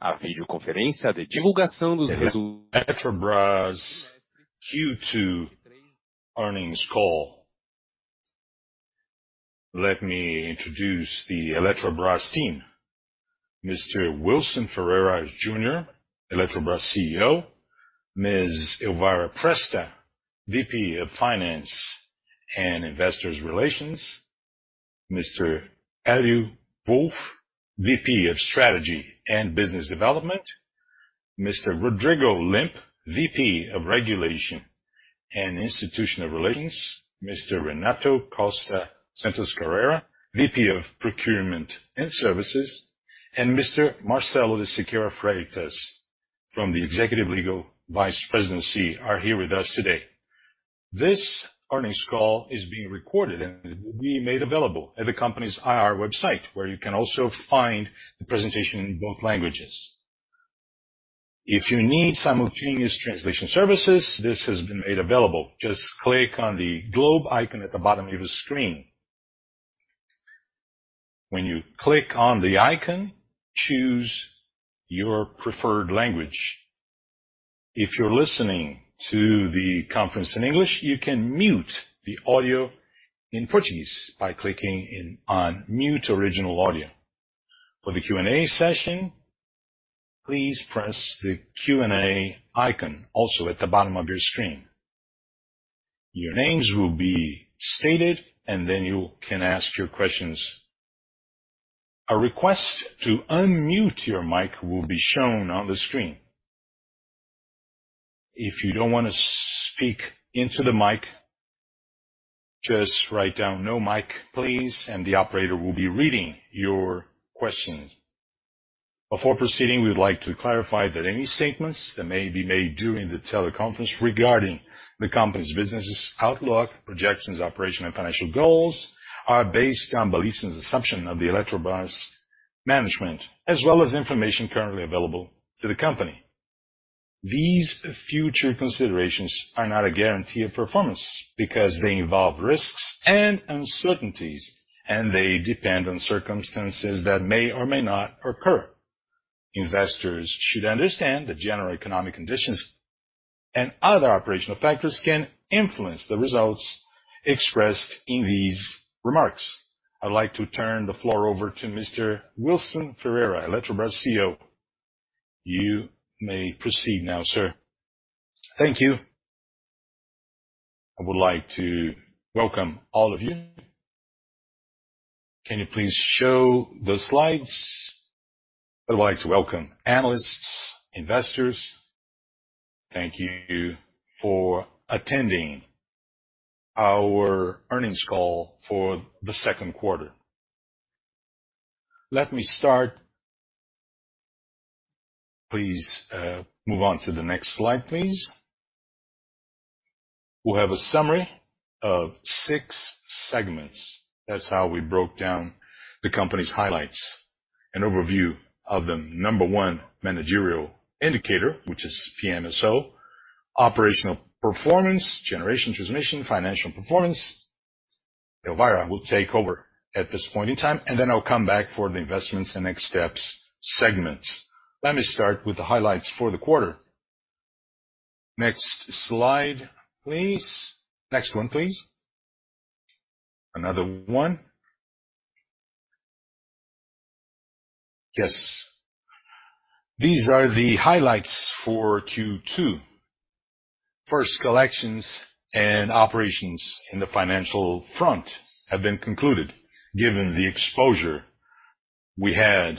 A video conference at the divulgation of those Eletrobras Q2 Earnings Call. Let me introduce the Eletrobras team. Mr. Wilson Ferreira Jr., Eletrobras CEO, Ms. Elvira Presta, VP of Finance and Investor Relations, Mr. Élio Wolff, VP of Strategy and Business Development, Mr. Rodrigo Limp, VP of Regulation and Institutional Relations, Mr. Renato Costa Santos Carreira, VP Procurement and Services, and Mr. Marcelo de Siqueira Freitas from the Executive Legal Vice Presidency, are here with us today. This earnings call is being recorded and will be made available at the company's IR website, where you can also find the presentation in both languages. If you need simultaneous translation services, this has been made available. Just click on the globe icon at the bottom of the screen. When you click on the icon, choose your preferred language. If you're listening to the conference in English, you can mute the audio in Portuguese by clicking in on Mute Original Audio. For the Q&A session, please press the Q&A icon also at the bottom of your screen. Your names will be stated, and then you can ask your questions. A request to unmute your mic will be shown on the screen. If you don't want to speak into the mic, just write down, "No mic, please," and the operator will be reading your questions. Before proceeding, we'd like to clarify that any statements that may be made during the teleconference regarding the company's businesses, outlook, projections, operational and financial goals, are based on beliefs and assumption of the Eletrobras management, as well as information currently available to the company. These future considerations are not a guarantee of performance, because they involve risks and uncertainties, and they depend on circumstances that may or may not occur. Investors should understand the general economic conditions and other operational factors can influence the results expressed in these remarks. I'd like to turn the floor over to Mr. Wilson Ferreira, Eletrobras CEO. You may proceed now, sir. Thank you. I would like to welcome all of you. Can you please show the slides? I'd like to welcome analysts, investors. Thank you for attending our earnings call for the second quarter. Let me start. Please, move on to the next slide, please. We'll have a summary of six segments. That's how we broke down the company's highlights. An overview of the number one managerial indicator, which is PMSO, operational performance, generation, transmission, financial performance. Elvira will take over at this point in time, and then I'll come back for the investments and next steps segments. Let me start with the highlights for the quarter. Next slide, please. Next one, please. Another one. Yes. These are the highlights for Q2. First, collections and operations in the financial front have been concluded. Given the exposure we had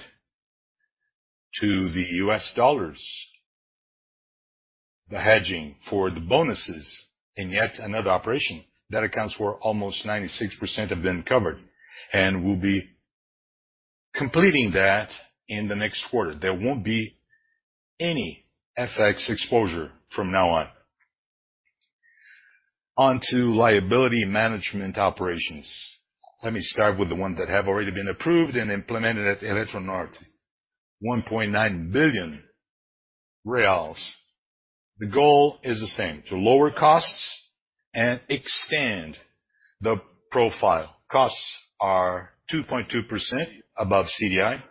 to the U.S. dollar, the hedging for the bonuses in yet another operation, that accounts for almost 96% have been covered, and we'll be completing that in the next quarter. There won't be any FX exposure from now on. On to liability management operations. Let me start with the ones that have already been approved and implemented at Eletronorte, 1.9 billion reais. The goal is the same, to lower costs and extend the profile. Costs are 2.2% above CDI.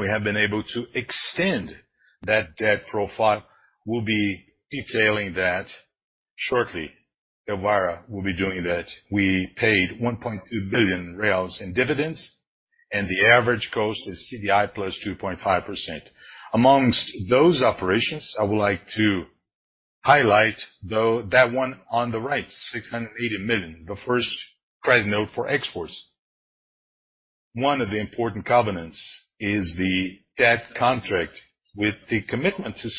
We have been able to extend that debt profile. We'll be detailing that shortly. Elvira will be doing that. We paid 1.2 billion in dividends. The average cost is CDI plus 2.5%. Amongst those operations, I would like to highlight though, that one on the right, 680 million, the first credit note for exports. One of the important covenants is the debt contract with the commitment to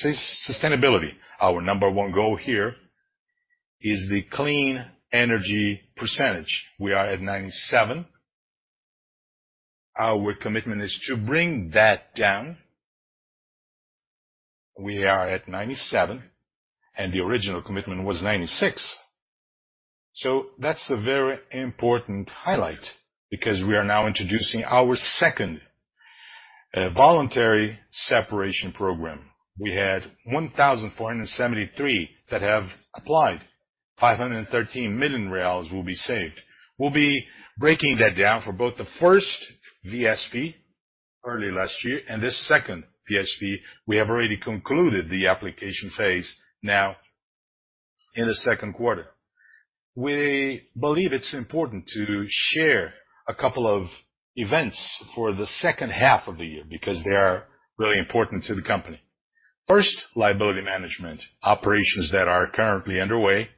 sustainability. Our number 1 goal here is the clean energy percentage. We are at 97. Our commitment is to bring that down. We are at 97, the original commitment was 96. That's a very important highlight because we are now introducing our second voluntary separation program. We had 1,473 that have applied. 513 million reais will be saved. We'll be breaking that down for both the first VSP, early last year, and this second VSP, we have already concluded the application phase now in the 2Q. We believe it's important to share a couple of events for the second half of the year, because they are really important to the company. First, liability management operations that are currently underway,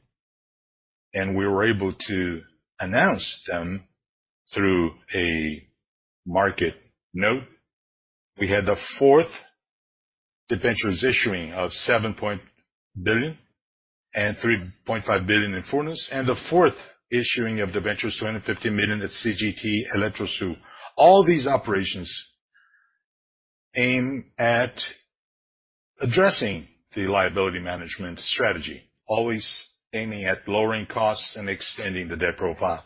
and we were able to announce them through a market note. We had the fourth debentures issuing of 7 billion and 3.5 billion in Furnas, and the fourth issuing of debentures, 250 million at CGT Eletrosul. All these operations aim at addressing the liability management strategy, always aiming at lowering costs and extending the debt profile.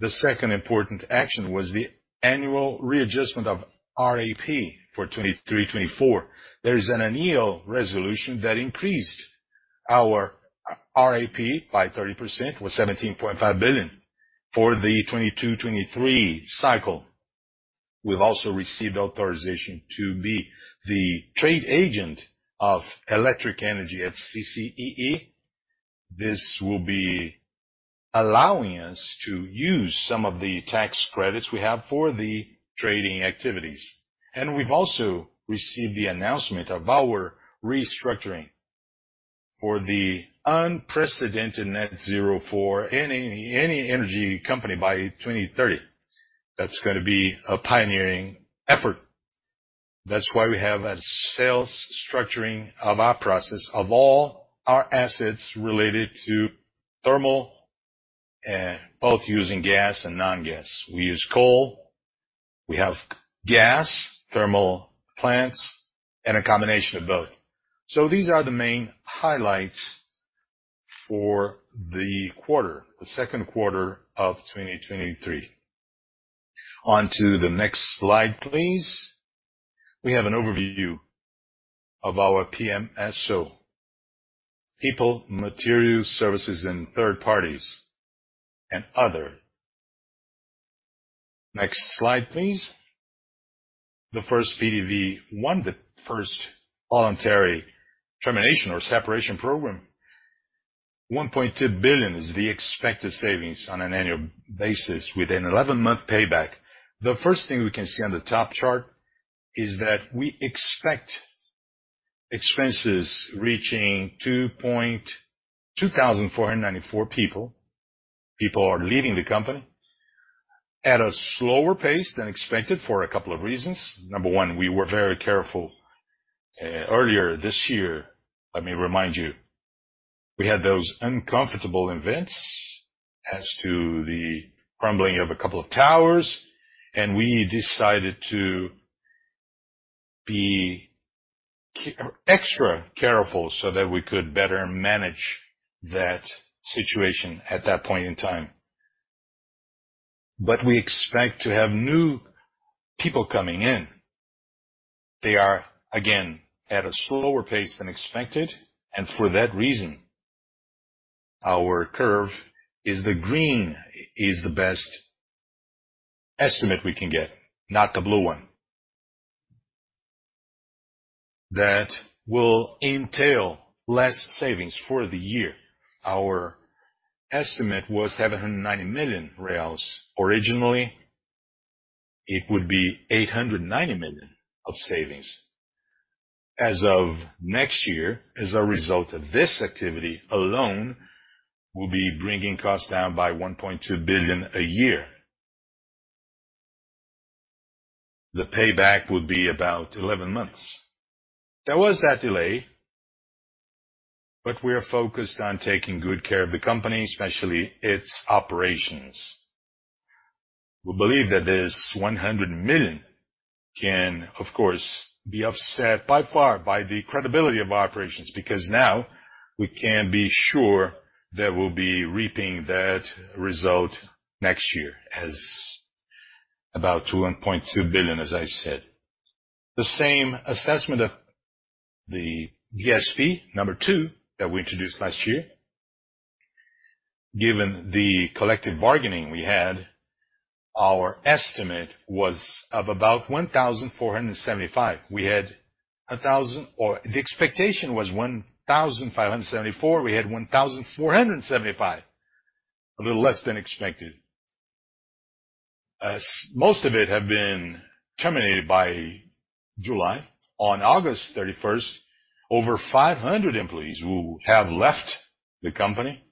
The second important action was the annual readjustment of RAP for 2023, 2024. There is an ANEEL resolution that increased our RAP by 30%, with 17.5 billion for the 2022-2023 cycle. We've also received authorization to be the trade agent of electric energy at CCEE. This will be allowing us to use some of the tax credits we have for the trading activities. We've also received the announcement of our restructuring for the unprecedented net zero for any energy company by 2030. That's gonna be a pioneering effort. That's why we have a sales structuring of our process of all our assets related to thermal, both using gas and non-gas. We use coal, we have gas, thermal plants, and a combination of both. These are the main highlights for the quarter, the second quarter of 2023. On to the next slide, please. We have an overview of our PMSO: People, Materials, Services, and Third Parties, and other. Next slide, please. The first PDV 1, the first voluntary termination or separation program. 1.2 billion is the expected savings on an annual basis within 11-month payback. The first thing we can see on the top chart is that we expect expenses reaching 2,494 people. People are leaving the company at a slower pace than expected for a couple of reasons. Number one, we were very careful, earlier this year. Let me remind you, we had those uncomfortable events as to the crumbling of a couple of towers, and we decided to be extra careful so that we could better manage that situation at that point in time. We expect to have new people coming in. They are, again, at a slower pace than expected. For that reason, our curve is the green is the best estimate we can get, not the blue one. That will entail less savings for the year. Our estimate was 790 million reais. Originally, it would be 890 million of savings. As of next year, as a result of this activity alone, we'll be bringing costs down by 1.2 billion a year. The payback would be about 11 months. There was that delay. We are focused on taking good care of the company, especially its operations. We believe that this 100 million can, of course, be offset by far by the credibility of our operations, because now we can be sure that we'll be reaping that result next year as about 2.2 billion, as I said. The same assessment of the VSP number two that we introduced last year. Given the collective bargaining we had, our estimate was of about 1,475. The expectation was 1,574. We had 1,475, a little less than expected, as most of it have been terminated by July. On August 31st, over 500 employees will have left the company.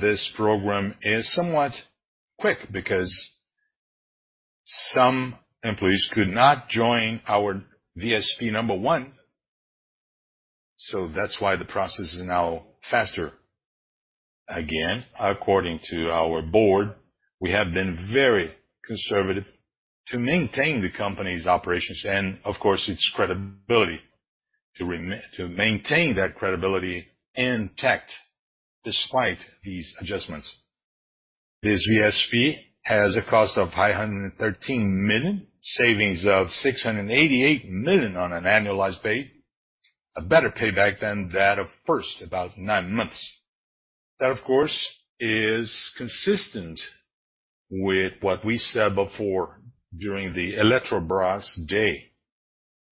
This program is somewhat quick because some employees could not join our VSP number 1. That's why the process is now faster. Again, according to our board, we have been very conservative to maintain the company's operations and of course, its credibility, to maintain that credibility intact despite these adjustments. This VSP has a cost of $513 million, savings of $688 million on an annualized base, a better payback than that of first, about nine months. That, of course, is consistent with what we said before during the Eletrobras Day.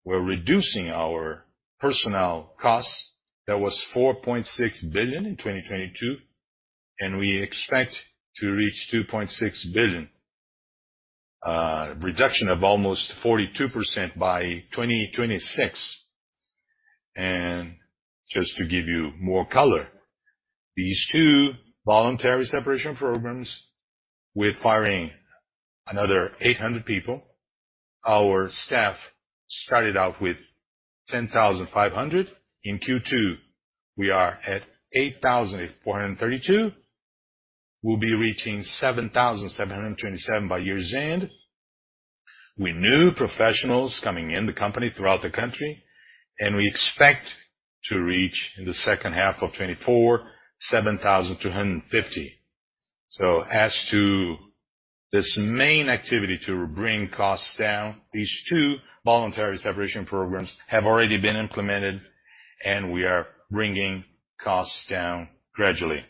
We're reducing our personnel costs. That was $4.6 billion in 2022, and we expect to reach $2.6 billion, reduction of almost 42% by 2026. Just to give you more color, these two voluntary separation programs, we're firing another 800 people. Our staff started out with 10,500. In Q2, we are at 8,432. We'll be reaching 7,727 by year's end. With new professionals coming in the company throughout the country, and we expect to reach, in the second half of 2024, 7,250. As to this main activity to bring costs down, these two voluntary separation programs have already been implemented, and we are bringing costs down gradually.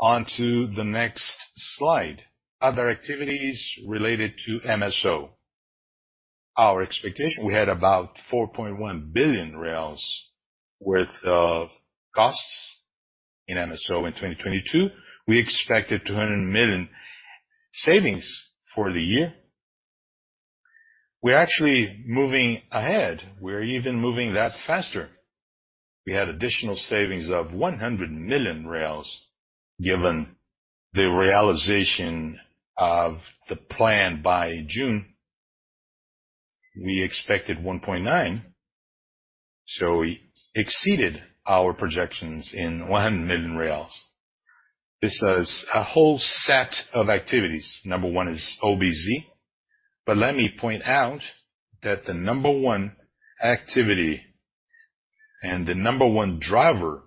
To the next slide, other activities related to PMSO. Our expectation. We had about 4.1 billion worth of costs in PMSO in 2022. We expected 200 million savings for the year. We're actually moving ahead. We're even moving that faster. We had additional savings of 100 million reais, given the realization of the plan by June. We expected 1.9 billion. We exceeded our projections in 100 million reais. This is a whole set of activities. Number one is OBZ. Let me point out that the number one activity and the number one driver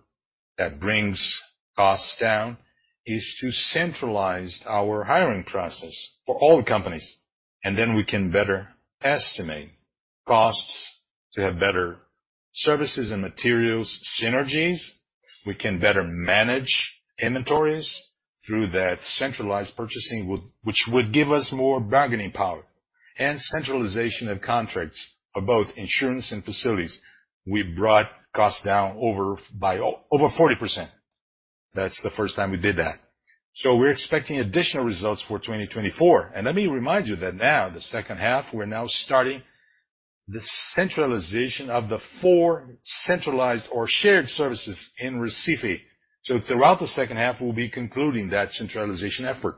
that brings costs down is to centralize our hiring process for all the companies, then we can better estimate costs to have better services and materials synergies. We can better manage inventories through that centralized purchasing, which would give us more bargaining power. Centralization of contracts for both insurance and facilities, we brought costs down by over 40%. That's the first time we did that. We're expecting additional results for 2024. Let me remind you that now, the second half, we're now starting the centralization of the four centralized or shared services in Recife. Throughout the second half, we'll be concluding that centralization effort.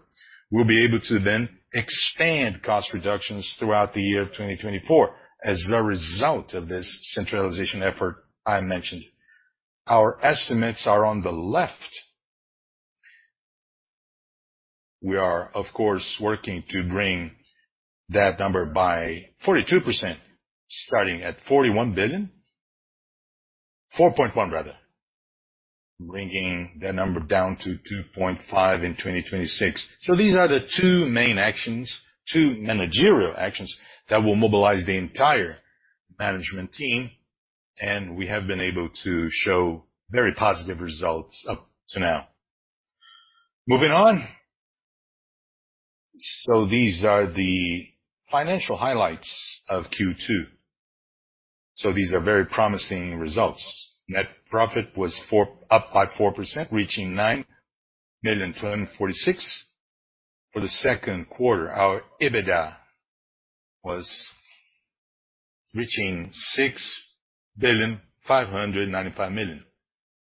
We'll be able to expand cost reductions throughout the year of 2024 as a result of this centralization effort I mentioned. Our estimates are on the left. We are, of course, working to bring that number by 42%, starting at 41 billion, 4.1 rather, bringing that number down to 2.5 in 2026. These are the two main actions, two managerial actions, that will mobilize the entire management team, and we have been able to show very positive results up to now. Moving on. These are the financial highlights of Q2. These are very promising results. Net profit was up by 4%, reaching 9,246,000. For the second quarter, our EBITDA was reaching 6,595,000,000.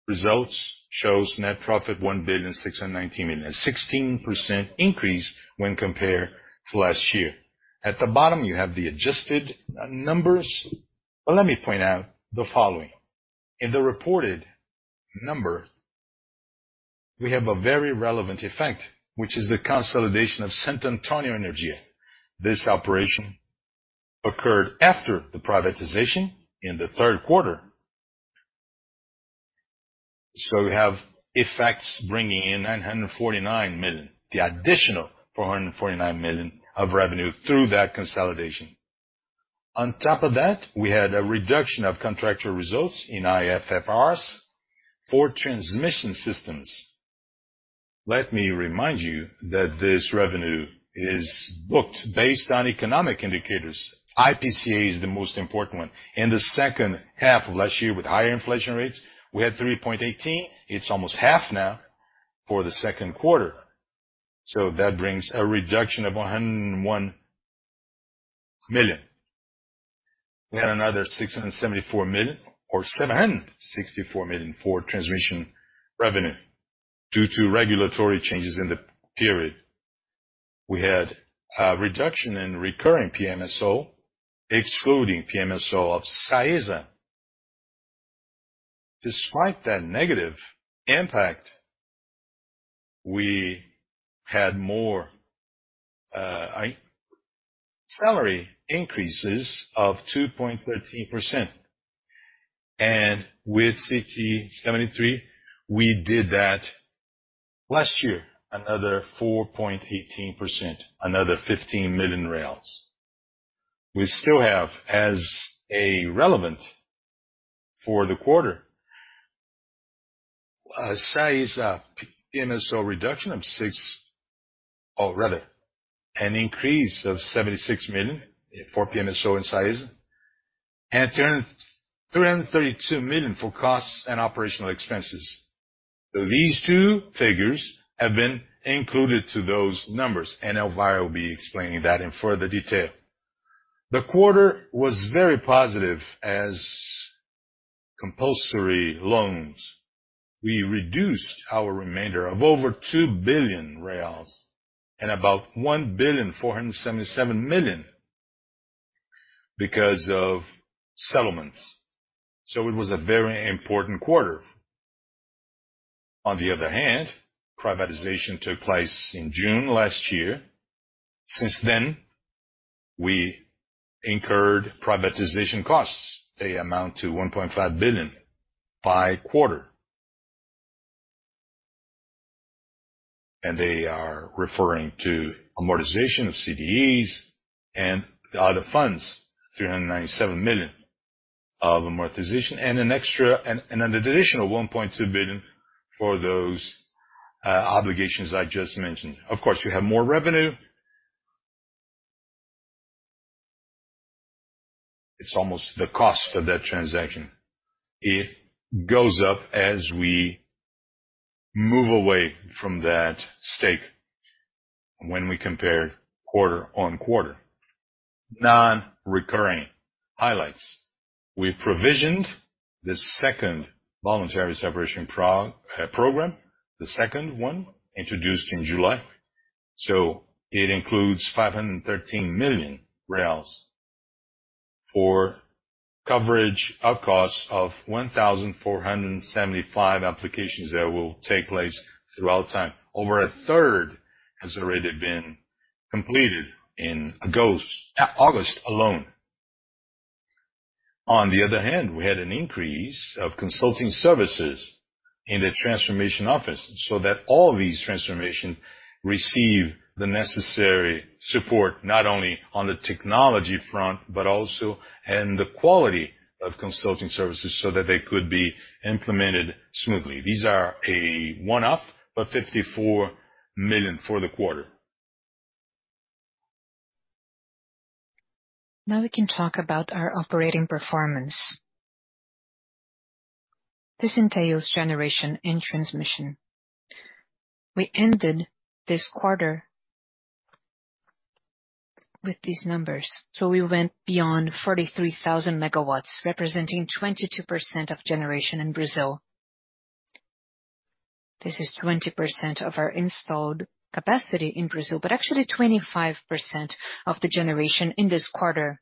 Results shows net profit 1.619 billion, a 16% increase when compared to last year. At the bottom, you have the adjusted numbers, let me point out the following. In the reported number, we have a very relevant effect, which is the consolidation of Santo Antonio Energia. This operation occurred after the privatization in the third quarter. We have effects bringing in 949 million, the additional 449 million of revenue through that consolidation. On top of that, we had a reduction of contractual results in IFRS for transmission systems. Let me remind you that this revenue is booked based on economic indicators. IPCA is the most important one. In the second half of last year, with higher inflation rates, we had 3.18. It's almost half now for the second quarter. That brings a reduction of 101 million. We had another 674 million or 764 million for Transmission revenue due to regulatory changes in the period. We had a reduction in recurring PMSO, excluding PMSO of SAESA. Despite that negative impact, we had more salary increases of 2.13%. With CT seventy-three, we did that last year, another 4.18%, another 15 million. We still have, as a relevant for the quarter, CDE, PMSO reduction of six, or rather, an increase of 76 million for PMSO in SAESA, and 332 million for costs and operational expenses. These two figures have been included to those numbers, and Elvira will be explaining that in further detail. The quarter was very positive as compulsory loans. We reduced our remainder of over 2 billion reais and about 1.477 billion, because of settlements. It was a very important quarter. On the other hand, privatization took place in June last year. Since then, we incurred privatization costs. They amount to 1.5 billion by quarter. They are referring to amortization of CDEs and other funds, 397 million of amortization, and an additional 1.2 billion for those obligations I just mentioned. Of course, you have more revenue. It's almost the cost of that transaction. It goes up as we move away from that stake when we compare quarter-on-quarter. Non-recurring highlights. We provisioned the second voluntary separation program, the second one introduced in July, so it includes 513 million for coverage of costs of 1,475 applications that will take place throughout time. Over a third has already been completed in August alone. On the other hand, we had an increase of consulting services in the transformation office, so that all these transformation receive the necessary support, not only on the technology front, but also in the quality of consulting services, so that they could be implemented smoothly. These are a one-off, but 54 million for the quarter. Now we can talk about our operating performance. This entails Generation and Transmission. We ended this quarter with these numbers, we went beyond 43,000 megawatts, representing 22% of Generation in Brazil. This is 20% of our installed capacity in Brazil, but actually 25% of the Generation in this quarter.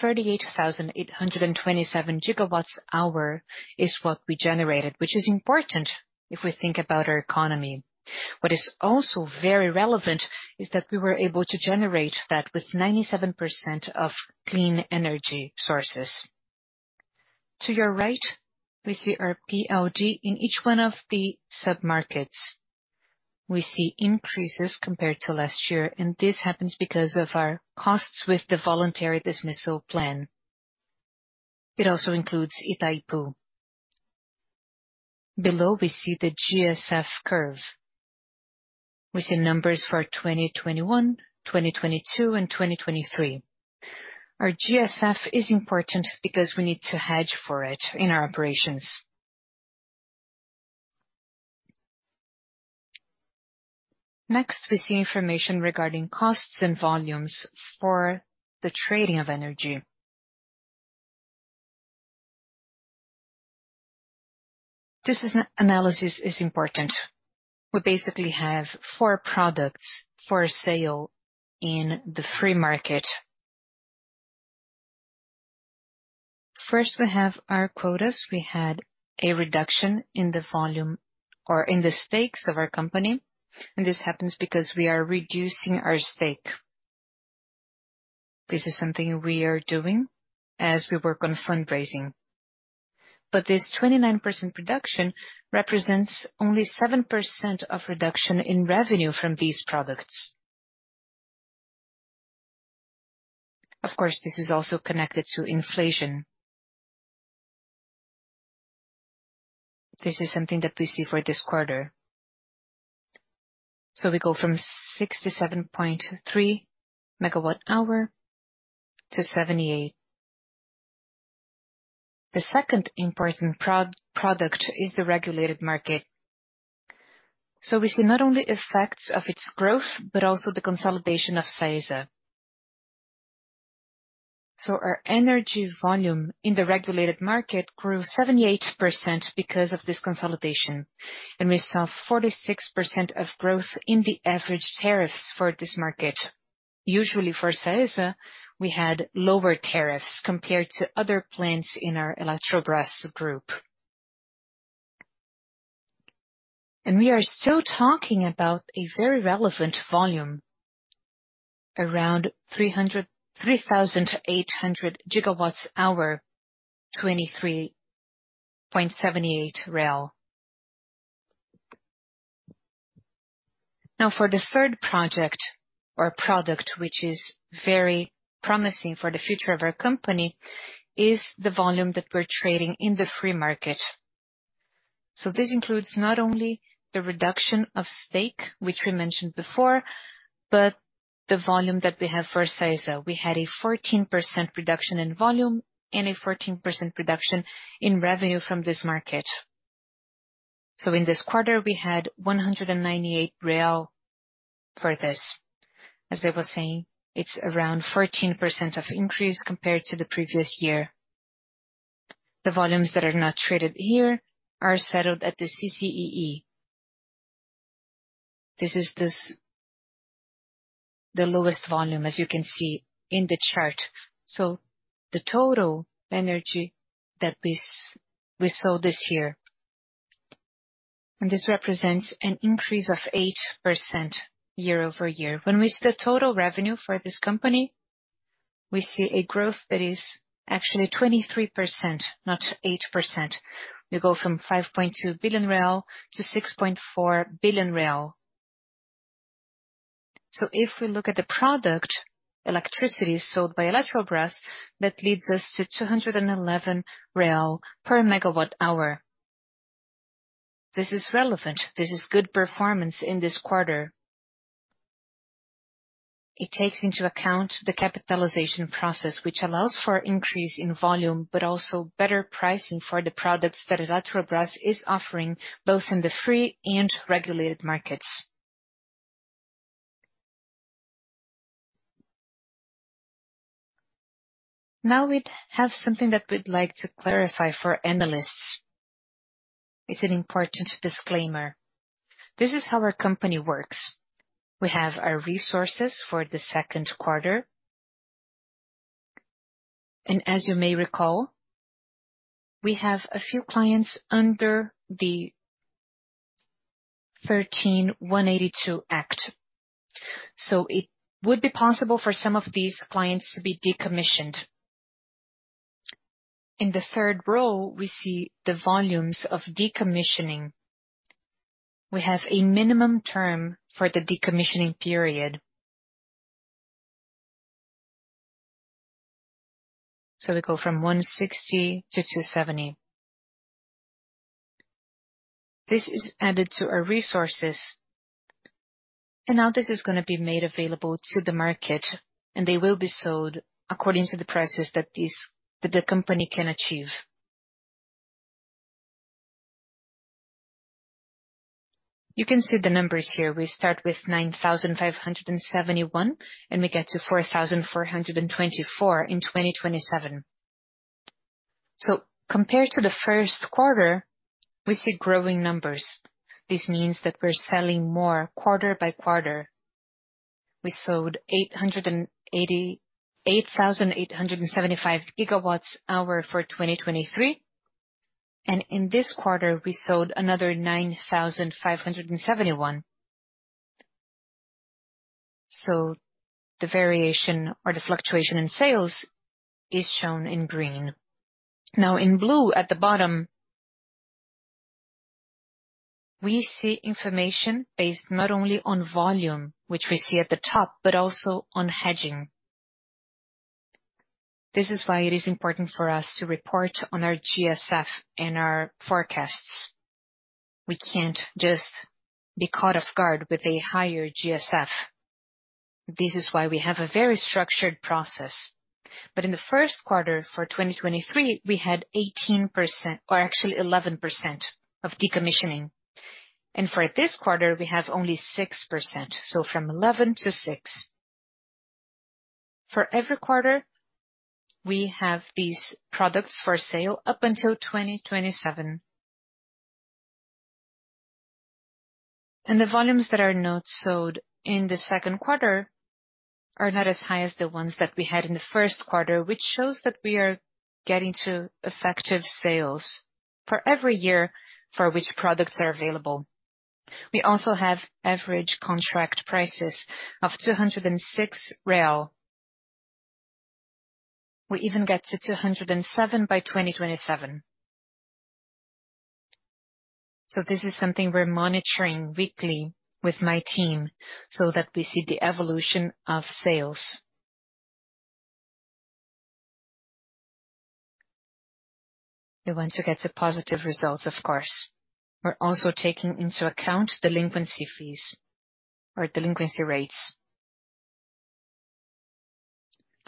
38,827 gigawatts hour is what we generated, which is important if we think about our economy. What is also very relevant is that we were able to generate that with 97% of clean energy sources. To your right, we see our PLG in each one of the sub-markets. We see increases compared to last year, this happens because of our costs with the voluntary dismissal plan. It also includes Itaipu. Below, we see the GSF curve. We see numbers for 2021, 2022, and 2023. Our GSF is important because we need to hedge for it in our operations. We see information regarding costs and volumes for the trading of energy. Analysis is important. We basically have four products for sale in the free market. First, we have our quotas. We had a reduction in the volume or in the stakes of our company. This happens because we are reducing our stake. This is something we are doing as we work on fundraising. This 29% reduction represents only 7% of reduction in revenue from these products. Of course, this is also connected to inflation. This is something that we see for this quarter. We go from 67.3 megawatt hour to 78. The second important product is the regulated market. We see not only effects of its growth, but also the consolidation of SAESA. Our energy volume in the regulated market grew 78% because of this consolidation. We saw 46% of growth in the average tariffs for this market. Usually for SAESA, we had lower tariffs compared to other plants in our Eletrobras group. We are still talking about a very relevant volume, around 3,800 GWh, BRL 23.78. For the third project or product, which is very promising for the future of our company, is the volume that we're trading in the free market. This includes not only the reduction of stake, which we mentioned before, but the volume that we have for SAESA. We had a 14% reduction in volume and a 14% reduction in revenue from this market. In this quarter, we had 198 real for this. As I was saying, it's around 14% of increase compared to the previous year. The volumes that are not traded here are settled at the CCEE. This is this, the lowest volume, as you can see in the chart. The total energy that we, we sold this year, and this represents an increase of 8% year-over-year. When we see the total revenue for this company, we see a growth that is actually 23%, not 8%. We go from 5.2 billion real to 6.4 billion real. If we look at the product, electricity sold by Eletrobras, that leads us to 211 real per megawatt hour. This is relevant. This is good performance in this quarter. It takes into account the capitalization process, which allows for increase in volume, but also better pricing for the products that Eletrobras is offering, both in the free and regulated markets. We have something that we'd like to clarify for analysts. It's an important disclaimer. This is how our company works. We have our resources for the second quarter, and as you may recall, we have a few clients under Law 13,182. It would be possible for some of these clients to be decommissioned. In the third row, we see the volumes of decommissioning. We have a minimum term for the decommissioning period. We go from 160-270. This is added to our resources, and now this is going to be made available to the market, and they will be sold according to the prices that this, that the company can achieve. You can see the numbers here. We start with 9,571, and we get to 4,424 in 2027. Compared to the first quarter, we see growing numbers. This means that we're selling more quarter by quarter. We sold 8,875 gigawatts hour for 2023, and in this quarter, we sold another 9,571. The variation or the fluctuation in sales is shown in green. Now, in blue, at the bottom, we see information based not only on volume, which we see at the top, but also on hedging. This is why it is important for us to report on our GSF and our forecasts. We can't just be caught off guard with a higher GSF. This is why we have a very structured process. In the first quarter for 2023, we had 18% or actually 11% of decommissioning, and for this quarter, we have only 6%, so from 11 to 6. For every quarter, we have these products for sale up until 2027. The volumes that are not sold in the second quarter are not as high as the ones that we had in the first quarter, which shows that we are getting to effective sales for every year for which products are available. We also have average contract prices of 206. We even get to 207 by 2027. This is something we're monitoring weekly with my team so that we see the evolution of sales. We want to get the positive results, of course. We're also taking into account delinquency fees or delinquency rates.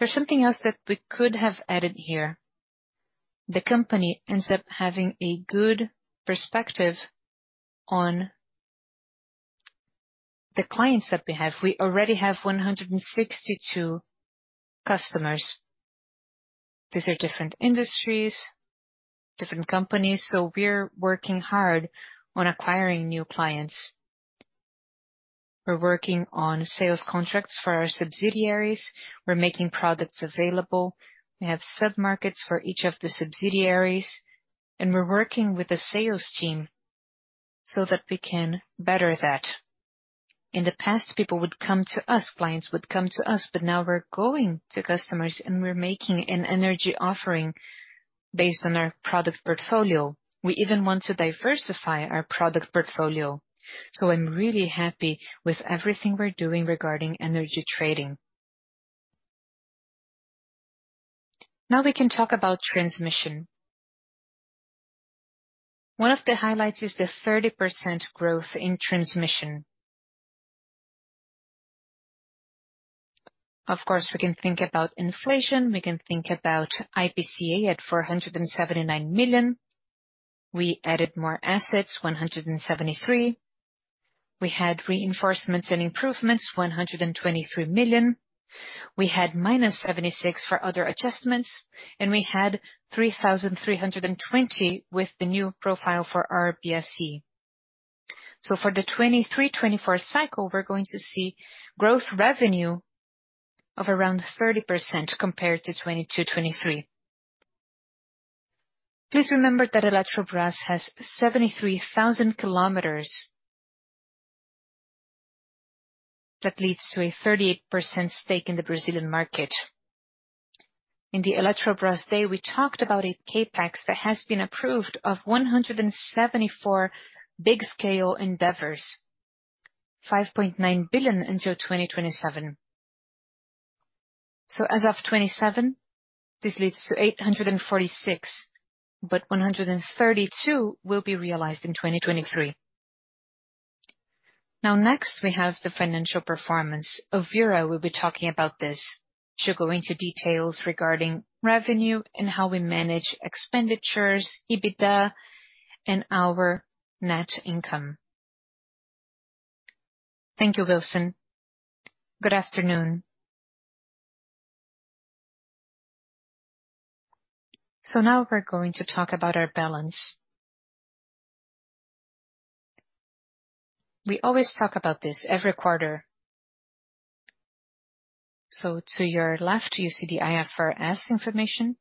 There's something else that we could have added here. The company ends up having a good perspective on the clients that we have. We already have 162 customers. These are different industries, different companies, so we're working hard on acquiring new clients. We're working on sales contracts for our subsidiaries. We're making products available. We have sub-markets for each of the subsidiaries, and we're working with the sales team so that we can better that. In the past, people would come to us, clients would come to us, but now we're going to customers, and we're making an energy offering based on our product portfolio. We even want to diversify our product portfolio. I'm really happy with everything we're doing regarding energy trading. Now we can talk about Transmission. One of the highlights is the 30% growth in Transmission. Of course, we can think about inflation, we can think about IPCA at 479 million. We added more assets, 173 million. We had reinforcements and improvements, 123 million. We had -76 million for other adjustments, and we had 3,320 million with the new profile for our PSC. For the 2023, 2024 cycle, we're going to see growth revenue of around 30% compared to 2022, 2023. Please remember that Eletrobras has 73,000 kilometers. That leads to a 38% stake in the Brazilian market. In the Eletrobras Day, we talked about a CapEx that has been approved of 174 big scale endeavors, $5.9 billion until 2027. As of 2027, this leads to 846, but 132 will be realized in 2023. Now, next, we have the financial performance. Elvira will be talking about this. She'll go into details regarding revenue and how we manage expenditures, EBITDA, and our net income. Thank you, Wilson. Good afternoon. Now we're going to talk about our balance. We always talk about this every quarter. To your left, you see the IFRS information.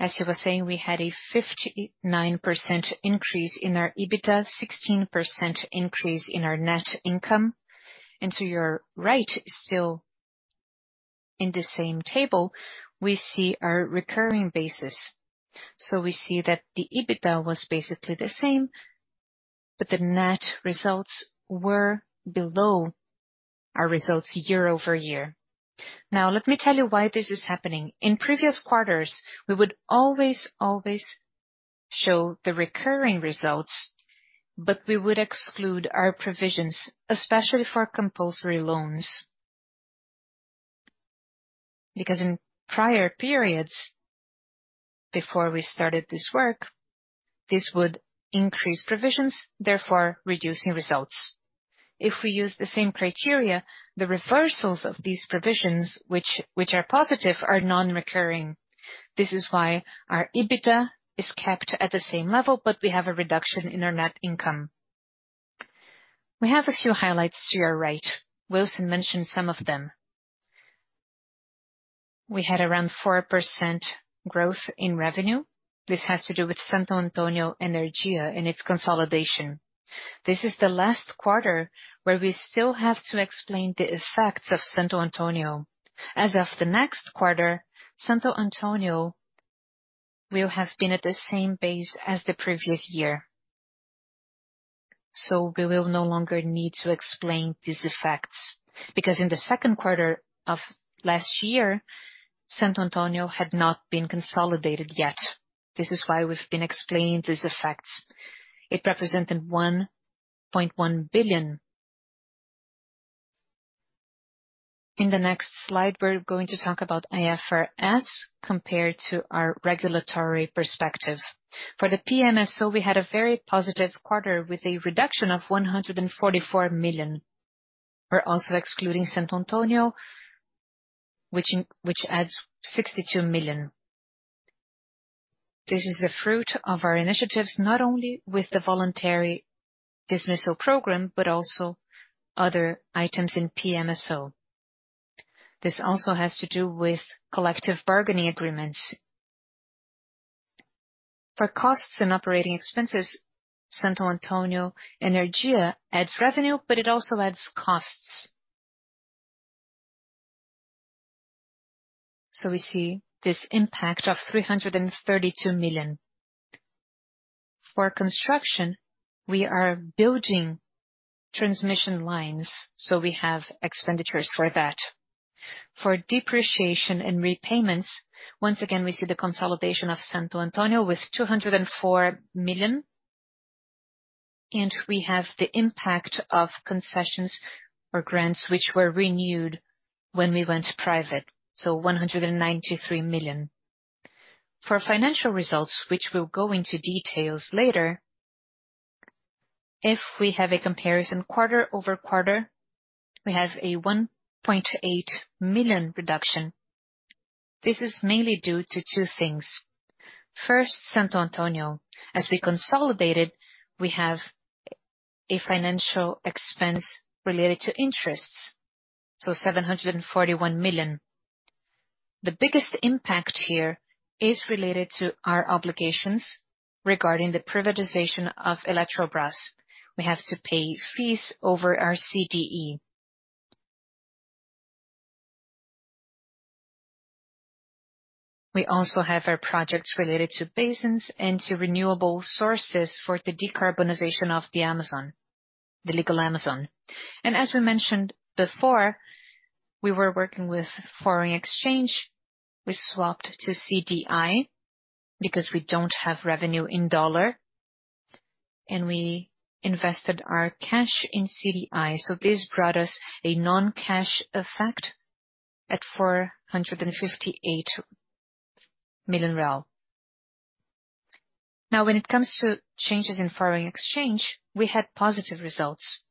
As he was saying, we had a 59% increase in our EBITDA, 16% increase in our net income, and to your right, still in the same table, we see our recurring basis. We see that the EBITDA was basically the same, but the net results were below our results year-over-year. Now, let me tell you why this is happening. In previous quarters, we would always, always show the recurring results, but we would exclude our provisions, especially for compulsory loans. In prior periods, before we started this work, this would increase provisions, therefore reducing results. If we use the same criteria, the reversals of these provisions, which, which are positive, are non-recurring. This is why our EBITDA is kept at the same level, but we have a reduction in our net income. We have a few highlights to your right. Wilson mentioned some of them. We had around 4% growth in revenue. This has to do with Santo Antonio Energia and its consolidation. This is the last quarter where we still have to explain the effects of Santo Antonio. As of the next quarter, Santo Antonio will have been at the same base as the previous year. We will no longer need to explain these effects, because in the second quarter of last year, Santo Antonio had not been consolidated yet. This is why we've been explaining these effects. It represented BRL 1.1 billion. In the next slide, we're going to talk about IFRS compared to our regulatory perspective. For the PMSO, we had a very positive quarter with a reduction of 144 million. We're also excluding Santo Antonio, which adds 62 million. This is the fruit of our initiatives, not only with the voluntary dismissal program, but also other items in PMSO. This also has to do with collective bargaining agreements. For costs and operating expenses, Santo Antonio Energia adds revenue, it also adds costs. We see this impact of 332 million. For construction, we are building transmission lines, we have expenditures for that. For depreciation and repayments, once again, we see the consolidation of Santo Antonio with 204 million, we have the impact of concessions or grants, which were renewed when we went private, 193 million. For financial results, which we'll go into details later, if we have a comparison quarter-over-quarter, we have a 1.8 million reduction. This is mainly due to two things. First, Santo Antonio. As we consolidated, we have a financial expense related to interests, 741 million. The biggest impact here is related to our obligations regarding the privatization of Eletrobras. We have to pay fees over our CDE. We also have our projects related to basins and to renewable sources for the decarbonization of the Amazon, the legal Amazon. As we mentioned before, we were working with foreign exchange. We swapped to CDI because we don't have revenue in dollar, and we invested our cash in CDI. This brought us a non-cash effect at 458 million real. When it comes to changes in foreign exchange, we had positive results.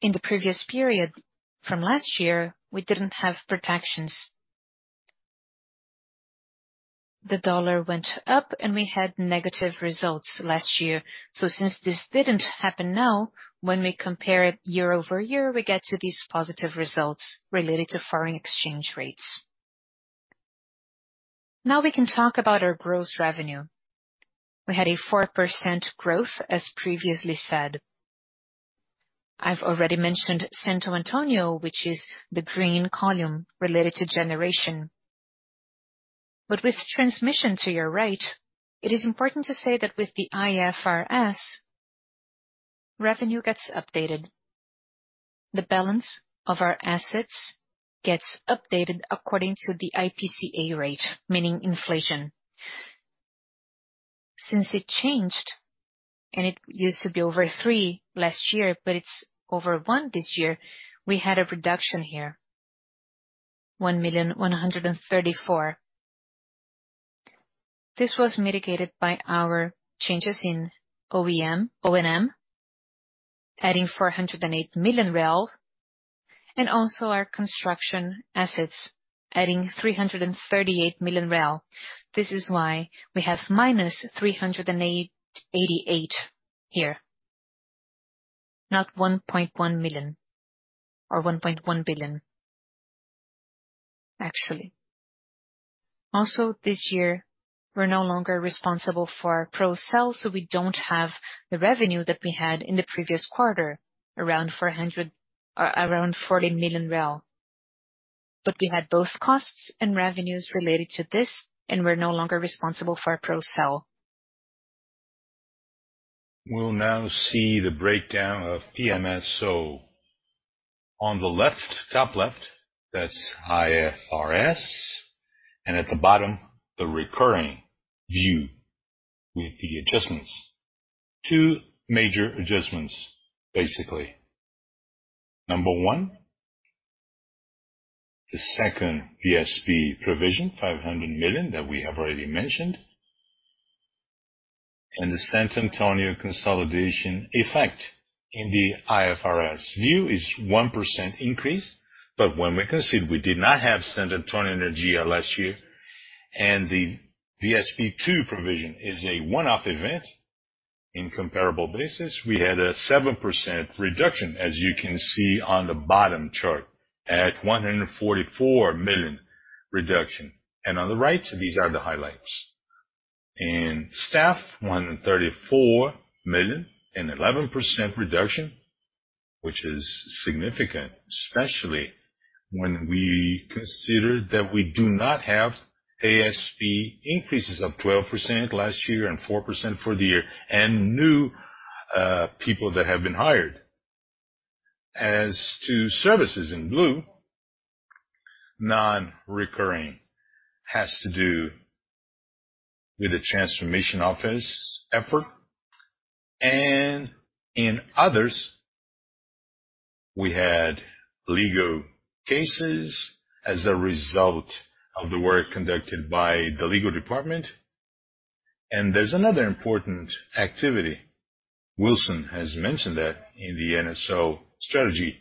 In the previous period from last year, we didn't have protections. The dollar went up and we had negative results last year. Since this didn't happen now, when we compare it year-over-year, we get to these positive results related to foreign exchange rates. We can talk about our gross revenue. We had a 4% growth, as previously said. I've already mentioned Santo Antônio, which is the green column related to Generation. With Transmission to your right, it is important to say that with the IFRS, revenue gets updated. The balance of our assets gets updated according to the IPCA rate, meaning inflation. Since it changed, and it used to be over three last year, but it's over one this year, we had a reduction here, 1,134,000. This was mitigated by our changes in OEM, O&M, adding 408 million real, and also our construction assets, adding 338 million real. This is why we have minus 388 million here, not 1.1 million or 1.1 billion, actually. This year, we're no longer responsible for Procel, so we don't have the revenue that we had in the previous quarter, around 400. Around 40 million. We had both costs and revenues related to this, and we're no longer responsible for Procel. We'll now see the breakdown of PMSO. On the left, top left, that's IFRS, and at the bottom, the recurring view with the adjustments. 2 major adjustments, basically. Number one, the second VSP provision, 500 million, that we have already mentioned, and the Santo Antônio consolidation effect in the IFRS view is 1% increase. When we consider we did not have Santo Antônio Energia last year, and the VSP 2 provision is a one-off event. In comparable basis, we had a 7% reduction, as you can see on the bottom chart, at 144 million reduction. On the right, these are the highlights. In staff, 134 million, an 11% reduction, which is significant, especially when we consider that we do not have ASP increases of 12% last year and 4% for the year, and new people that have been hired. As to services in blue, non-recurring, has to do with the transformation office effort, in others, we had legal cases as a result of the work conducted by the legal department. There's another important activity. Wilson has mentioned that in the NSO strategy,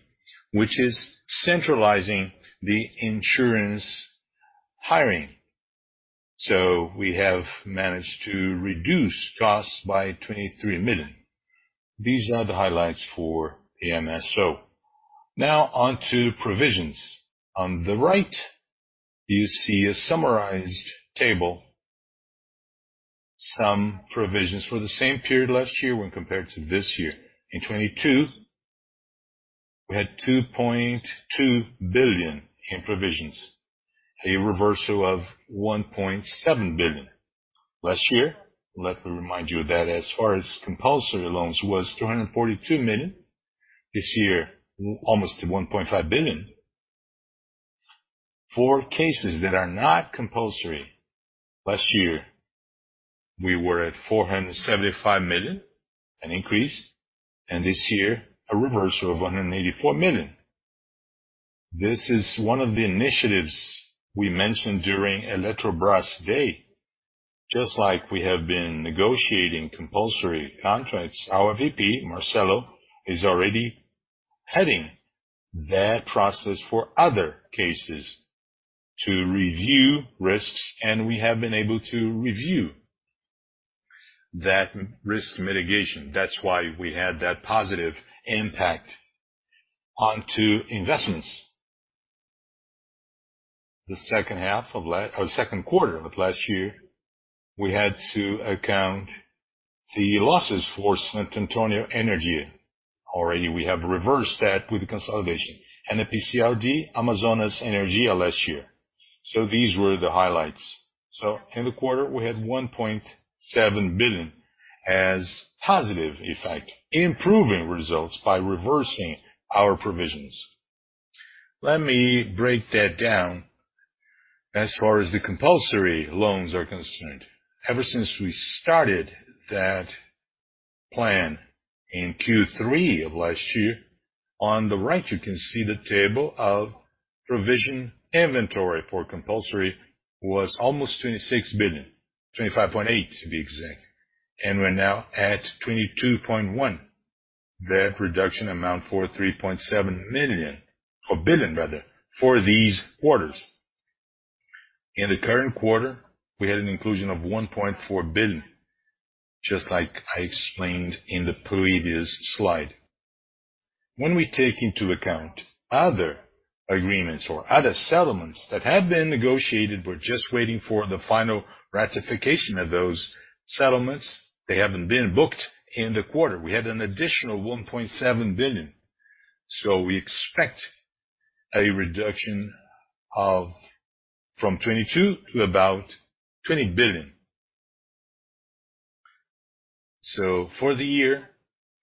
which is centralizing the insurance hiring. We have managed to reduce costs by 23 million. These are the highlights for the PMSO. Now on to provisions. On the right, you see a summarized table, some provisions for the same period last year when compared to this year. In 2022, we had 2.2 billion in provisions, a reversal of 1.7 billion. Last year, let me remind you of that, as far as compulsory loans, was 242 million. This year, almost 1.5 billion. For cases that are not compulsory, last year, we were at 475 million, an increase, and this year, a reversal of 184 million. This is one of the initiatives we mentioned during Eletrobras Day. Just like we have been negotiating compulsory contracts, our VP, Marcelo, is already heading that process for other cases to review risks, and we have been able to review that risk mitigation. That's why we had that positive impact onto investments. The second half of or second quarter of last year, we had to account the losses for Santo Antonio Energia. We have reversed that with the consolidation and the PECLD, Amazonas Energia last year. These were the highlights. In the quarter, we had 1.7 billion as positive effect, improving results by reversing our provisions. Let me break that down as far as the compulsory loans are concerned. Ever since we started that plan in Q3 of last year, on the right, you can see the table of provision inventory for compulsory was almost 26 billion, 25.8 billion to be exact, and we're now at 22.1 billion. That reduction amount for 3.7 million, or 3.7 billion rather, for these quarters. In the current quarter, we had an inclusion of 1.4 billion, just like I explained in the previous slide. When we take into account other agreements or other settlements that have been negotiated, we're just waiting for the final ratification of those settlements. They haven't been booked in the quarter. We had an additional $1.7 billion, we expect a reduction of, from $22 billion to about $20 billion. For the year,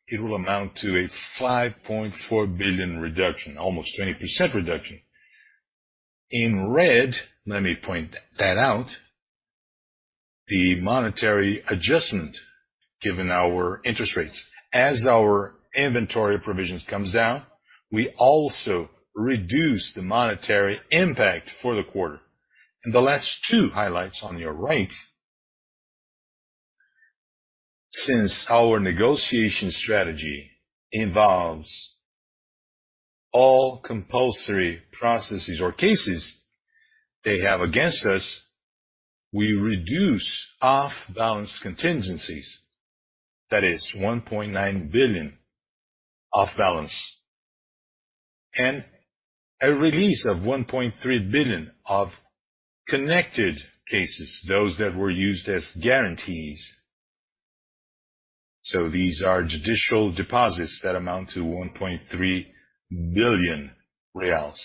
it will amount to a $5.4 billion reduction, almost 20% reduction. In red, let me point that out, the monetary adjustment, given our interest rates. As our inventory of provisions comes down, we also reduce the monetary impact for the quarter. The last two highlights on your right. Since our negotiation strategy involves all compulsory processes or cases they have against us, we reduce off-balance contingencies. That is $1.9 billion off-balance, and a release of $1.3 billion of connected cases, those that were used as guarantees. These are judicial deposits that amount to 1.3 billion reais.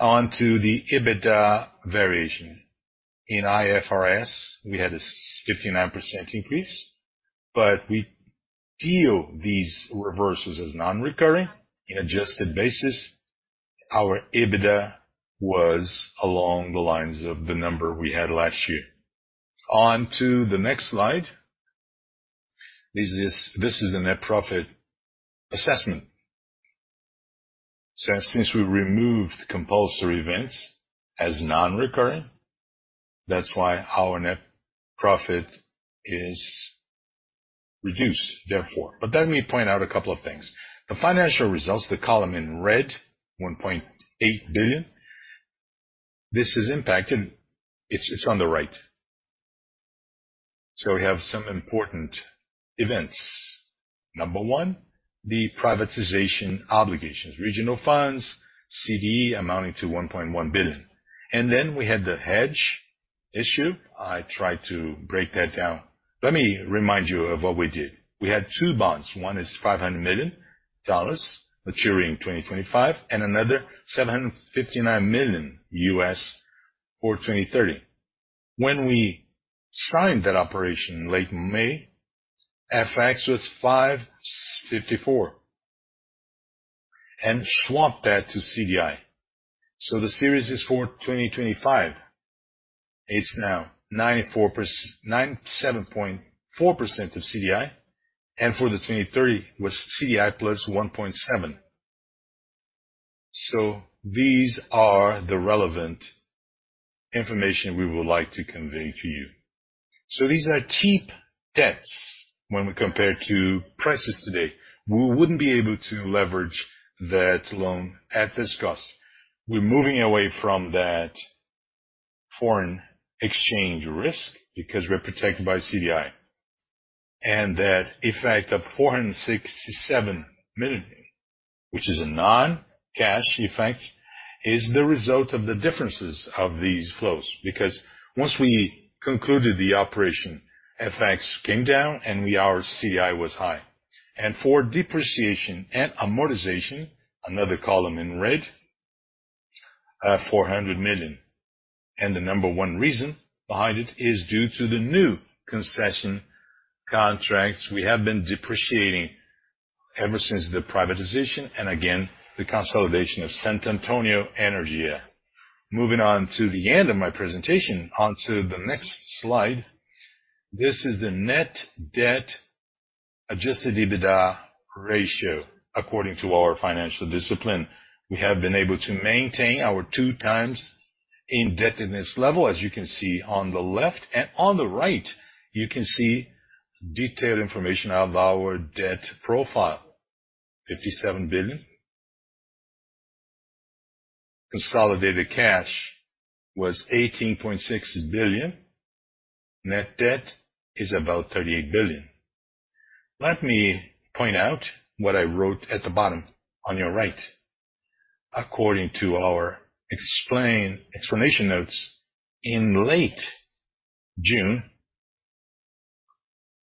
On to the EBITDA variation. In IFRS, we had a 59% increase, but we deal these reverses as non-recurring. In adjusted basis, our EBITDA was along the lines of the number we had last year. On to the next slide. This is the net profit assessment. Since we removed compulsory events as non-recurring, that's why our net profit is reduced, therefore. Let me point out a couple of things. The financial results, the column in red, 1.8 billion, this is impacted. It's on the right. We have some important events. Number one, the privatization obligations, regional funds, CDE, amounting to 1.1 billion. We had the hedge issue. I tried to break that down. Let me remind you of what we did. We had two bonds. One is $500 million maturing in 2025, and another $759 million for 2030. When we signed that operation in late May, FX was 5.54, and swapped that to CDI. The series is for 2025. It's now 94%, 97.4% of CDI, and for the 2030, was CDI plus 1.7. These are the relevant information we would like to convey to you. These are cheap debts when we compare to prices today. We wouldn't be able to leverage that loan at this cost. We're moving away from that foreign exchange risk because we're protected by CDI, and that effect of $467 million, which is a non-cash effect, is the result of the differences of these flows. Once we concluded the operation, FX came down and our CDI was high. For depreciation and amortization, another column in red, 400 million. The number one reason behind it is due to the new concession contracts we have been depreciating ever since the privatization, and again, the consolidation of Santo Antonio Energia. Moving on to the end of my presentation, on to the next slide. This is the net debt-adjusted EBITDA ratio according to our financial discipline. We have been able to maintain our 2x indebtedness level, as you can see on the left, and on the right, you can see detailed information of our debt profile, 57 billion. Consolidated cash was 18.6 billion. Net debt is about 38 billion. Let me point out what I wrote at the bottom on your right. According to our explanation notes, in late June,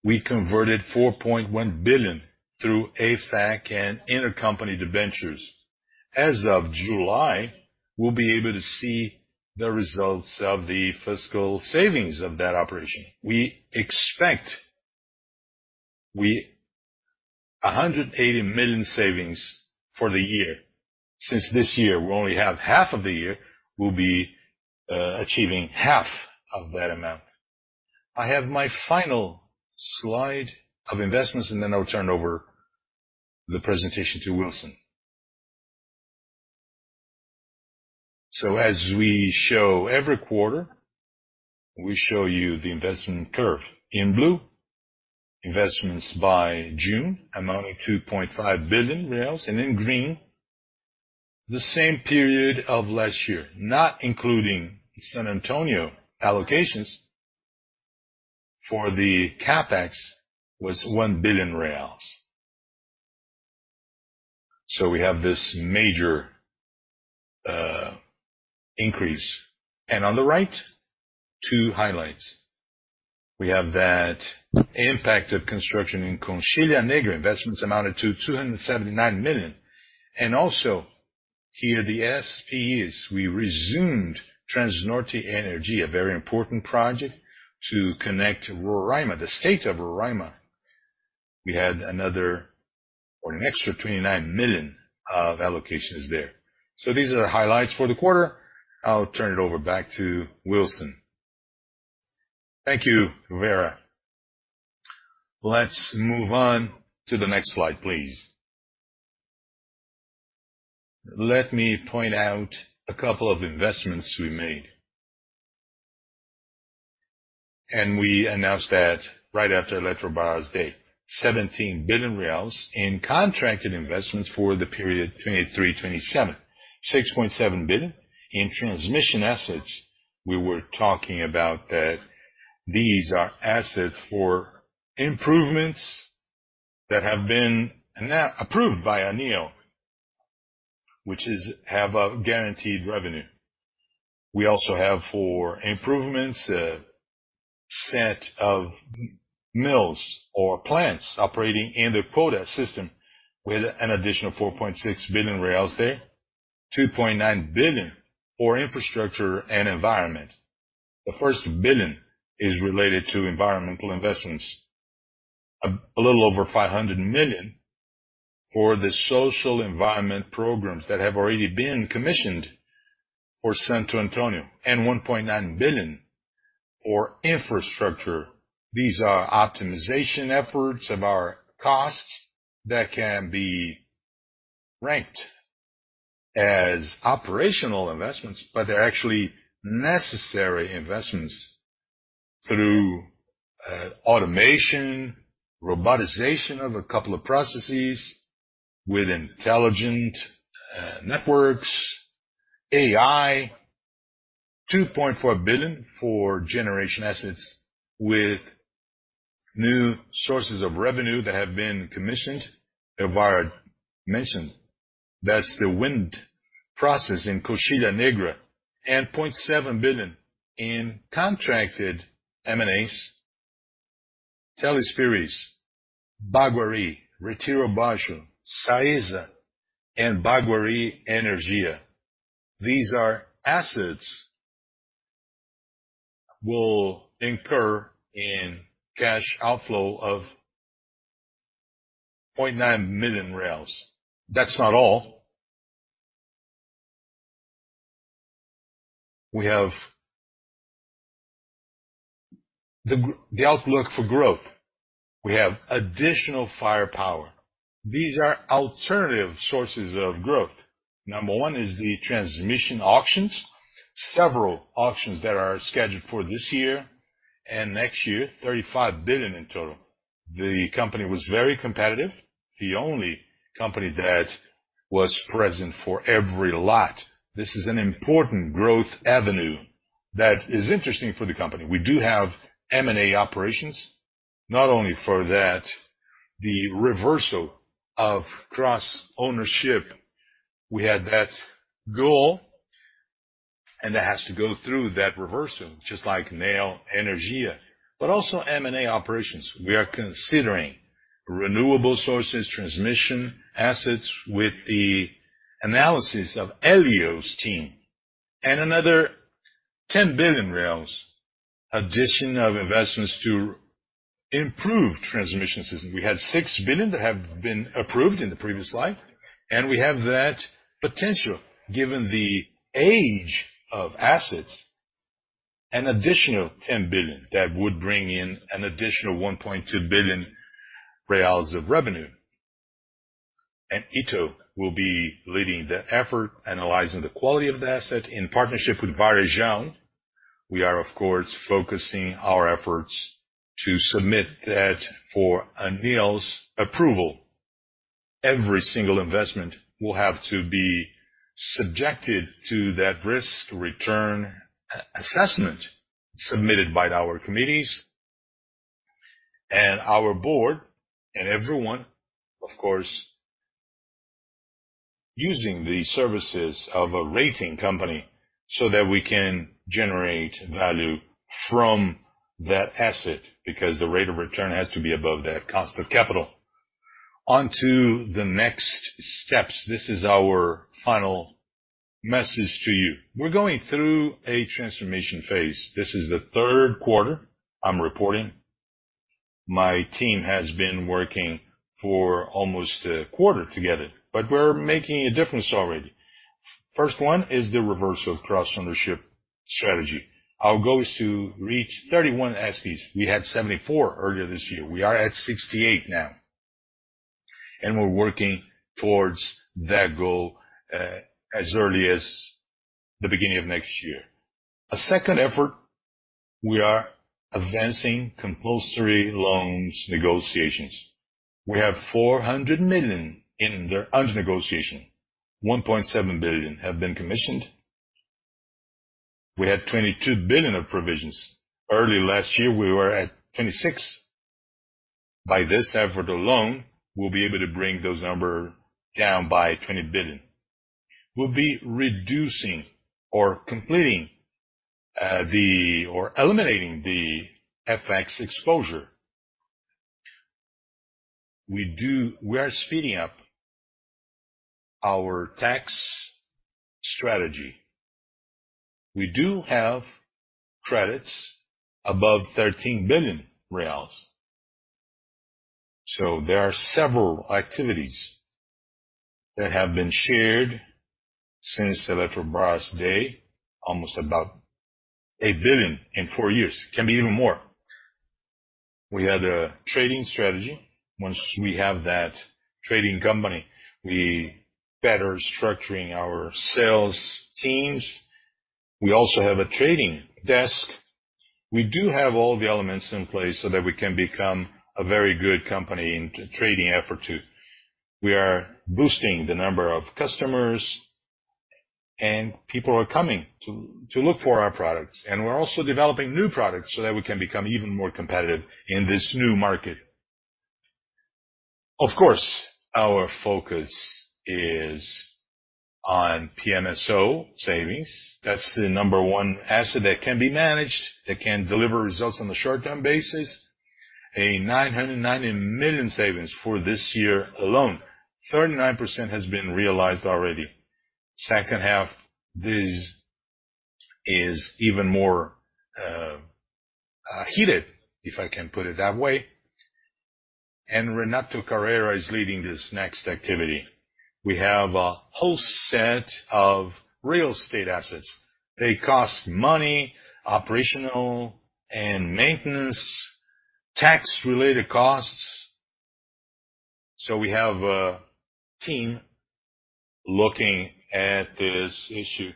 we converted 4.1 billion through AFAC and intercompany debentures. As of July, we'll be able to see the results of the fiscal savings of that operation. We expect 180 million savings for the year. Since this year, we only have half of the year, we'll be achieving half of that amount. I have my final slide of investments. Then I'll turn over the presentation to Wilson. As we show every quarter, we show you the investment curve. In blue, investments by June, amounting BRL 2.5 billion. In green, the same period of last year, not including Santo Antônio allocations for the CapEx, was 1 billion reais. We have this major increase. On the right, two highlights. We have that impact of construction in Coxilha Negra. Investments amounted to 279 million. Also, here, the SPEs, we resumed Transnorte Energia, a very important project to connect Roraima, the state of Roraima. We had another or an extra 29 million of allocations there. These are the highlights for the quarter. I'll turn it over back to Wilson. Thank you, Elvira. Let's move on to the next slide, please. Let me point out a couple of investments we made. We announced that right after Eletrobras Day, BRL 17 billion in contracted investments for the period 2023-2027. 6.7 billion in Transmission assets. We were talking about that these are assets for improvements that have been now approved by ANEEL, which is, have a guaranteed revenue. We also have for improvements, a set of mills or plants operating in the Proinfa system with an additional 4.6 billion real there, 2.9 billion for infrastructure and environment. The first 1 billion is related to environmental investments. A little over 500 million for the social environment programs that have already been commissioned for Santo Antônio, and 1.9 billion for infrastructure. These are optimization efforts of our costs that can be ranked as operational investments, but they're actually necessary investments through automation, robotization of a couple of processes with intelligent networks, AI, 2.4 billion for Generation assets with new sources of revenue that have been commissioned. Edvard mentioned, that's the wind process in Coxilha Negra, and 0.7 billion in contracted M&As. Teles Pires, Baguari, Retiro Baixo, SAESA, and Baguari Energia. These are assets will incur in cash outflow of 0.9 million. That's not all. We have the outlook for growth. We have additional firepower. These are alternative sources of growth. Number one is the Transmission auctions, several auctions that are scheduled for this year and next year, 35 billion in total. The company was very competitive, the only company that was present for every lot. This is an important growth avenue that is interesting for the company. We do have M&A operations, not only for that, the reversal of cross-ownership. We had that goal, and that has to go through that reversal, just like Neoenergia, but also M&A operations. We are considering renewable sources, transmission, assets with the analysis of Élio's team, and another 10 billion, addition of investments to improve transmission system. We had 6 billion that have been approved in the previous slide. An additional 10 billion that would bring in an additional 1.2 billion reais of revenue. Ítalo will be leading the effort, analyzing the quality of the asset in partnership with Varejão. We are, of course, focusing our efforts to submit that for ANEEL's approval. Every single investment will have to be subjected to that risk-return assessment submitted by our committees, and our board, and everyone, of course, using the services of a rating company, so that we can generate value from that asset, because the rate of return has to be above that cost of capital. On to the next steps. This is our final message to you. We're going through a transformation phase. This is the third quarter I'm reporting. My team has been working for almost a quarter together, but we're making a difference already. First one is the reverse of cross-ownership strategy. Our goal is to reach 31 SPEs. We had 74 earlier this year. We are at 68 now. We're working towards that goal as early as the beginning of next year. A second effort, we are advancing compulsory loans negotiations. We have 400 million in there under negotiation. 1.7 billion have been commissioned. We had 22 billion of provisions. Early last year, we were at 26 billion. By this effort alone, we'll be able to bring those number down by 20 billion. We'll be reducing or completing or eliminating the FX exposure. We are speeding up our tax strategy. We do have credits above 13 billion reais. There are several activities that have been shared since Eletrobras Day, almost about $1 billion in four years. It can be even more. We had a trading strategy. Once we have that trading company, we better structuring our sales teams. We also have a trading desk. We do have all the elements in place so that we can become a very good company in trading effort, too. We are boosting the number of customers, and people are coming to look for our products, and we're also developing new products so that we can become even more competitive in this new market. Of course, our focus is on PMSO savings. That's the number one asset that can be managed, that can deliver results on a short-term basis. A $990 million savings for this year alone. 39% has been realized already. Second half, this is even more heated, if I can put it that way. Renato Carreira is leading this next activity. We have a whole set of real estate assets. They cost money, operational and maintenance, tax-related costs. We have a team looking at this issue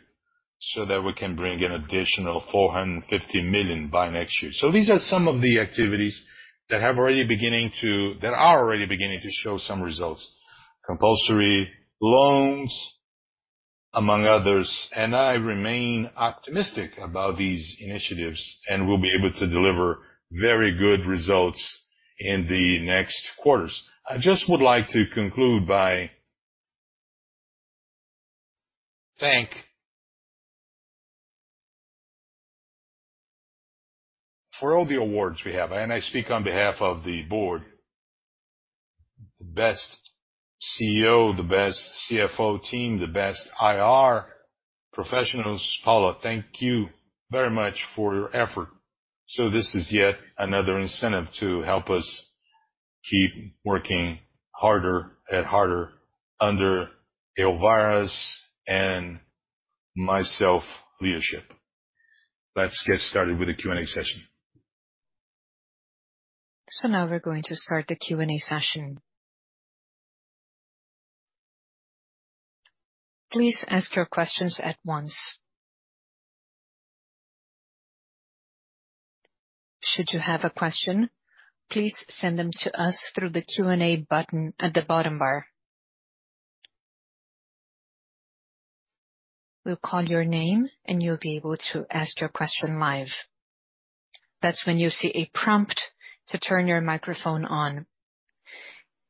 so that we can bring an additional 450 million by next year. These are some of the activities that are already beginning to show some results, compulsory loans, among others. I remain optimistic about these initiatives, and we'll be able to deliver very good results in the next quarters. I just would like to conclude by thank for all the awards we have, and I speak on behalf of the board. The best CEO, the best CFO team, the best IR professionals. Paula, thank you very much for your effort. This is yet another incentive to help us keep working harder and harder under Elvira’s and myself leadership. Let’s get started with the Q&A session. Now we're going to start the Q&A session. Please ask your questions at once. Should you have a question, please send them to us through the Q&A button at the bottom bar. We'll call your name, and you'll be able to ask your question live. That's when you'll see a prompt to turn your microphone on.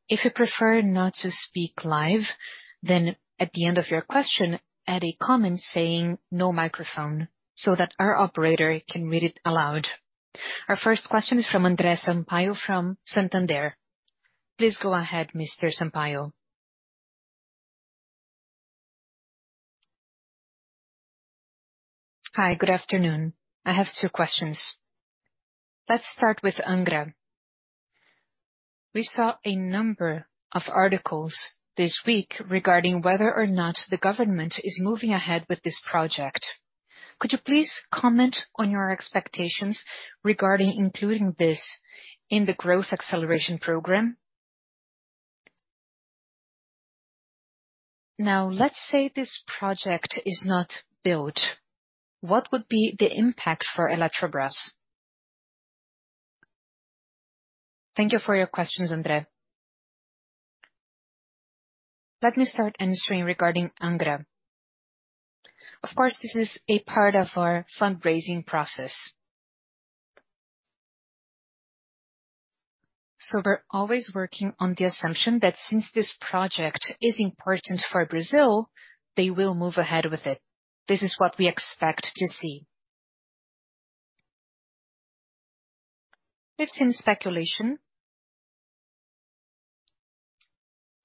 If you prefer not to speak live, at the end of your question, add a comment saying, "No microphone," so that our operator can read it aloud. Our first question is from Andre Sampaio, from Santander. Please go ahead, Mr. Sampaio. Hi, good afternoon. I have two questions. Let's start with Angra... We saw a number of articles this week regarding whether or not the government is moving ahead with this project. Could you please comment on your expectations regarding including this in the growth acceleration program? Let's say this project is not built, what would be the impact for Eletrobras? Thank you for your questions, Andre. Let me start answering regarding Angra. Of course, this is a part of our fundraising process. We're always working on the assumption that since this project is important for Brazil, they will move ahead with it. This is what we expect to see. We've seen speculation,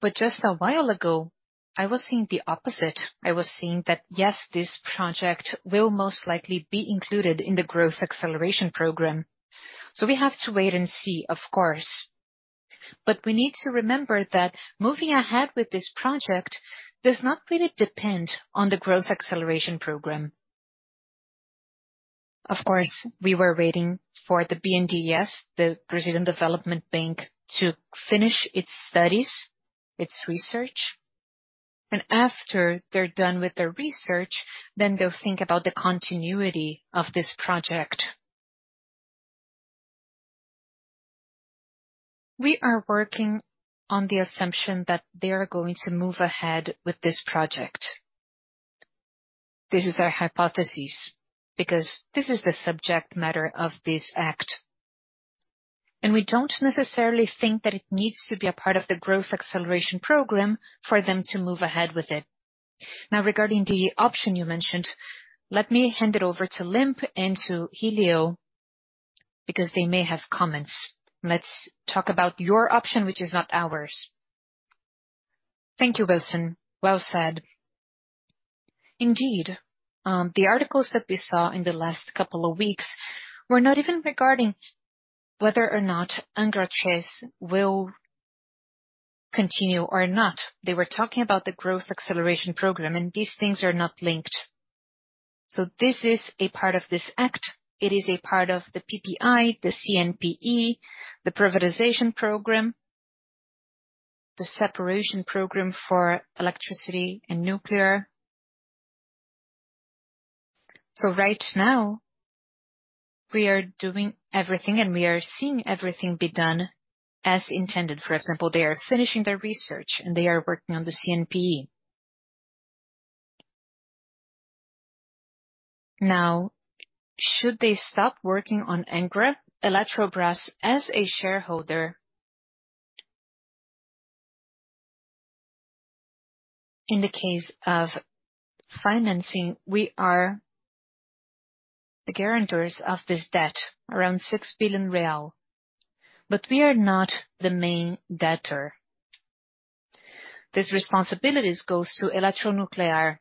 but just a while ago, I was seeing the opposite. I was seeing that, yes, this project will most likely be included in the growth acceleration program. We have to wait and see, of course, but we need to remember that moving ahead with this project does not really depend on the growth acceleration program. Of course, we were waiting for the BNDES, the Brazilian Development Bank, to finish its studies, its research. After they're done with their research, they'll think about the continuity of this project. We are working on the assumption that they are going to move ahead with this project. This is our hypothesis, because this is the subject matter of this act. We don't necessarily think that it needs to be a part of the growth acceleration program for them to move ahead with it. Regarding the option you mentioned, let me hand it over to Limp and to Élio, because they may have comments. Let's talk about your option, which is not ours. Thank you, Wilson. Well said. Indeed, the articles that we saw in the last couple of weeks were not even regarding whether or not Angra 3 will continue or not. They were talking about the growth acceleration program, these things are not linked. This is a part of this act. It is a part of the PPI, the CNPE, the privatization program, the separation program for electricity and nuclear. Right now, we are doing everything, and we are seeing everything be done as intended. For example, they are finishing their research, and they are working on the CNPE. Now, should they stop working on Angra, Eletrobras as a shareholder, in the case of financing, we are the guarantors of this debt, around 6 billion real, but we are not the main debtor. These responsibilities goes to Eletronuclear,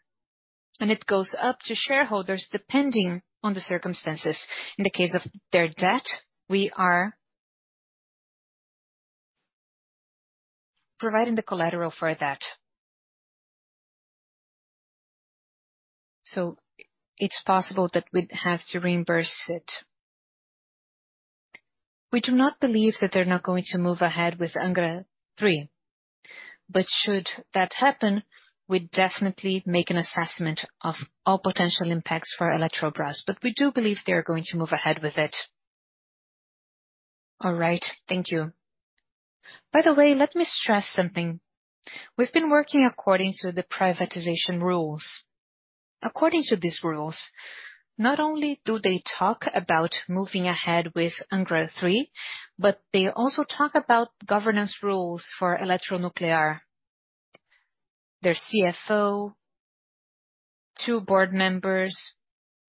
and it goes up to shareholders, depending on the circumstances. In the case of their debt, we are providing the collateral for that. It's possible that we'd have to reimburse it. We do not believe that they're not going to move ahead with Angra Three, but should that happen, we'd definitely make an assessment of all potential impacts for Eletrobras. We do believe they are going to move ahead with it. All right, thank you. By the way, let me stress something. We've been working according to the privatization rules. According to these rules, not only do they talk about moving ahead with Angra Three, but they also talk about governance rules for Eletronuclear. Their CFO, two board members,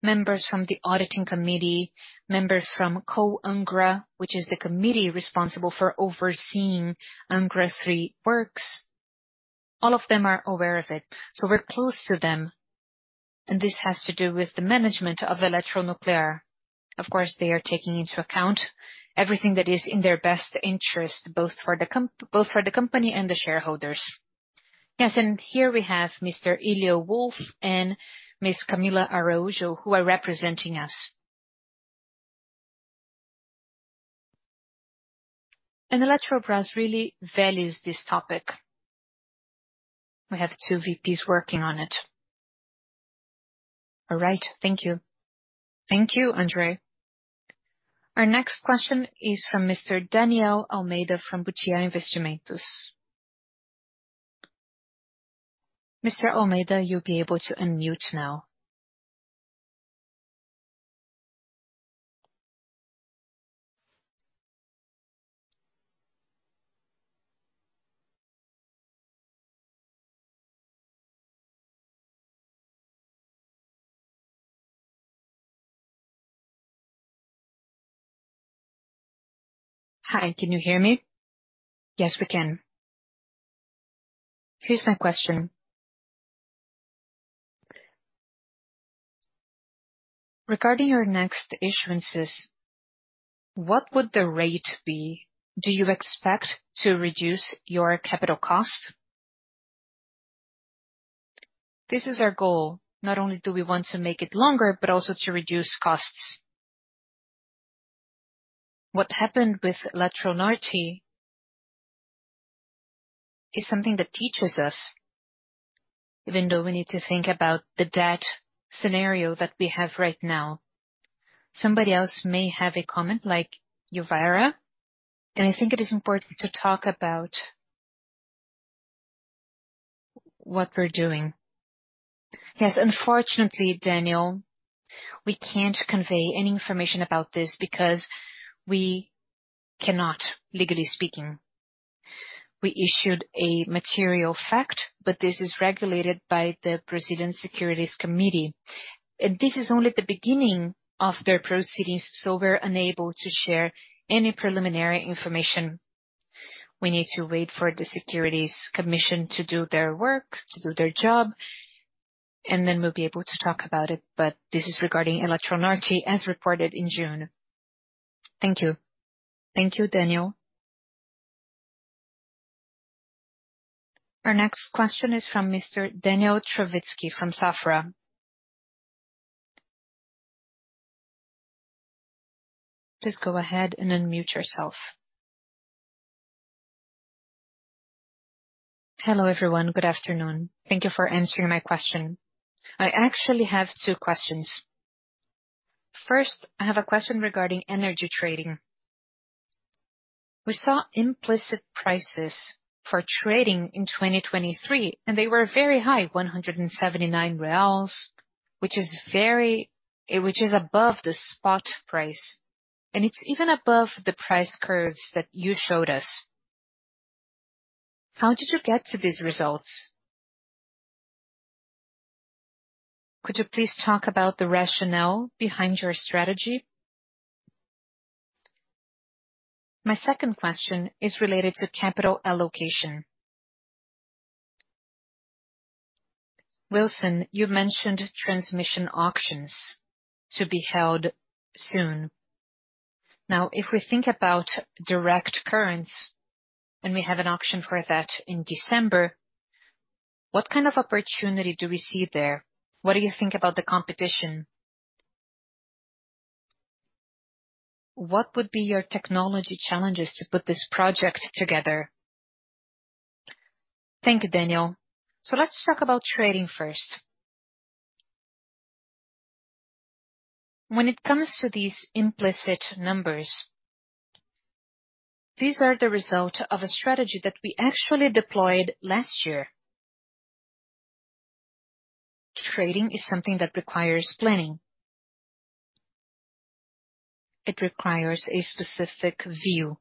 members from the auditing committee, members from COANGRA, which is the committee responsible for overseeing Angra Three works. All of them are aware of it, so we're close to them, and this has to do with the management of the Eletronuclear. Of course, they are taking into account everything that is in their best interest, both for the company and the shareholders. Yes, here we have Mr. Élio Wolff and Ms. Camila Araujo, who are representing us. Eletrobras really values this topic. We have two VPs working on it. All right. Thank you. Thank you, Andre. Our next question is from Mr. Daniel Almeida, from Butte Investimentos. Mr. Almeida, you'll be able to unmute now. Hi, can you hear me? Yes, we can. Here's my question. Regarding your next issuances, what would the rate be? Do you expect to reduce your capital cost? This is our goal. Not only do we want to make it longer, but also to reduce costs. What happened with Eletronorte is something that teaches us, even though we need to think about the debt scenario that we have right now. Somebody else may have a comment like Elvira, I think it is important to talk about what we're doing. Yes, unfortunately, Daniel, we can't convey any information about this because we cannot, legally speaking. We issued a material fact, this is regulated by the Brazilian Securities Commission, this is only the beginning of their proceedings, we're unable to share any preliminary information. We need to wait for the Securities Commission to do their work, to do their job, then we'll be able to talk about it. This is regarding Eletronorte, as reported in June. Thank you. Thank you, Daniel. Our next question is from Mr. Daniel Travitzky from Safra. Please go ahead and unmute yourself. Hello, everyone. Good afternoon. Thank you for answering my question. I actually have two questions. First, I have a question regarding energy trading. We saw implicit prices for trading in 2023. They were very high, 179 reais, which is above the spot price, and it's even above the price curves that you showed us. How did you get to these results? Could you please talk about the rationale behind your strategy? My second question is related to capital allocation. Wilson, you mentioned Transmission auctions to be held soon. If we think about direct currents, we have an auction for that in December, what kind of opportunity do we see there? What do you think about the competition? What would be your technology challenges to put this project together? Thank you, Daniel. Let's talk about trading first. When it comes to these implicit numbers, these are the result of a strategy that we actually deployed last year. Trading is something that requires planning. It requires a specific view.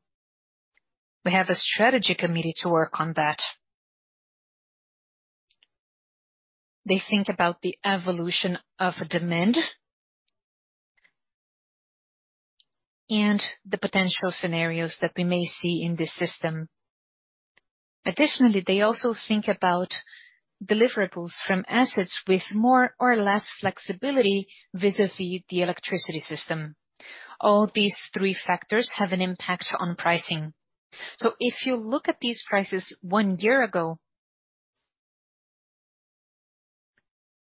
We have a strategy committee to work on that. They think about the evolution of demand and the potential scenarios that we may see in this system. Additionally, they also think about deliverables from assets with more or less flexibility vis-a-vis the electricity system. All these three factors have an impact on pricing. If you look at these prices one year ago,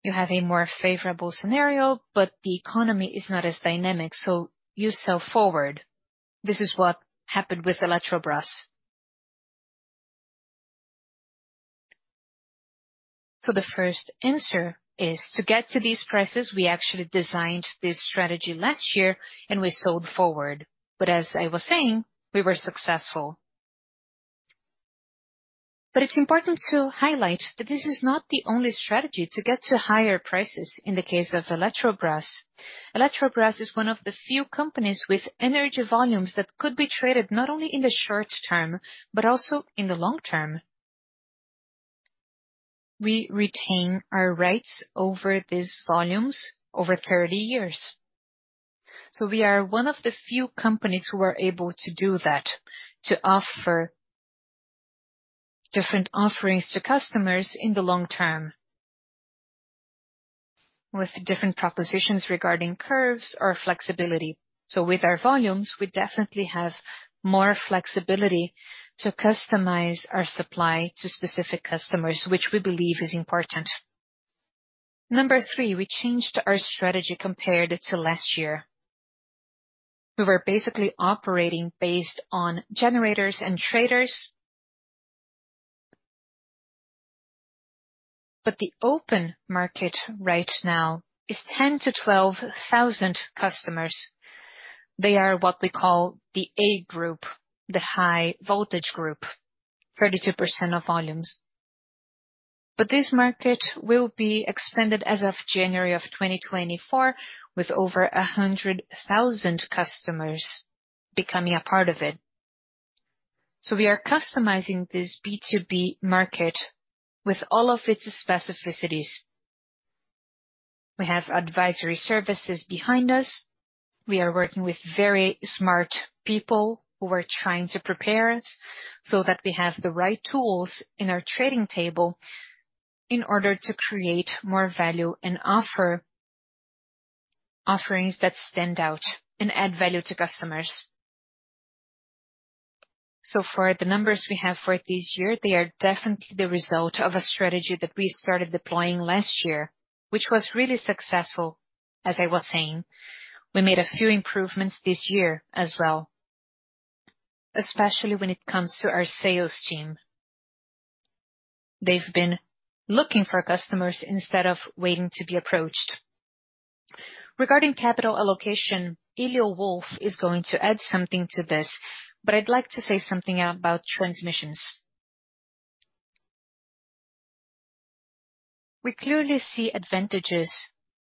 you have a more favorable scenario, but the economy is not as dynamic, so you sell forward. This is what happened with Eletrobras. The first answer is, to get to these prices, we actually designed this strategy last year, and we sold forward. As I was saying, we were successful. It's important to highlight that this is not the only strategy to get to higher prices in the case of Eletrobras. Eletrobras is one of the few companies with energy volumes that could be traded not only in the short term, but also in the long term. We retain our rights over these volumes over 30 years. We are one of the few companies who are able to do that, to offer different offerings to customers in the long term, with different propositions regarding curves or flexibility. With our volumes, we definitely have more flexibility to customize our supply to specific customers, which we believe is important. Number three, we changed our strategy compared to last year. We were basically operating based on generators and traders. The open market right now is 10,000-12,000 customers. They are what we call the A group, the high voltage group, 32% of volumes. This market will be extended as of January 2024, with over 100,000 customers becoming a part of it. We are customizing this B2B market with all of its specificities. We have advisory services behind us. We are working with very smart people who are trying to prepare us so that we have the right tools in our trading table in order to create more value and offer offerings that stand out and add value to customers. For the numbers we have for this year, they are definitely the result of a strategy that we started deploying last year, which was really successful. As I was saying, we made a few improvements this year as well, especially when it comes to our sales team. They've been looking for customers instead of waiting to be approached. Regarding capital allocation, Élio Wolff is going to add something to this, but I'd like to say something about Transmissions. We clearly see advantages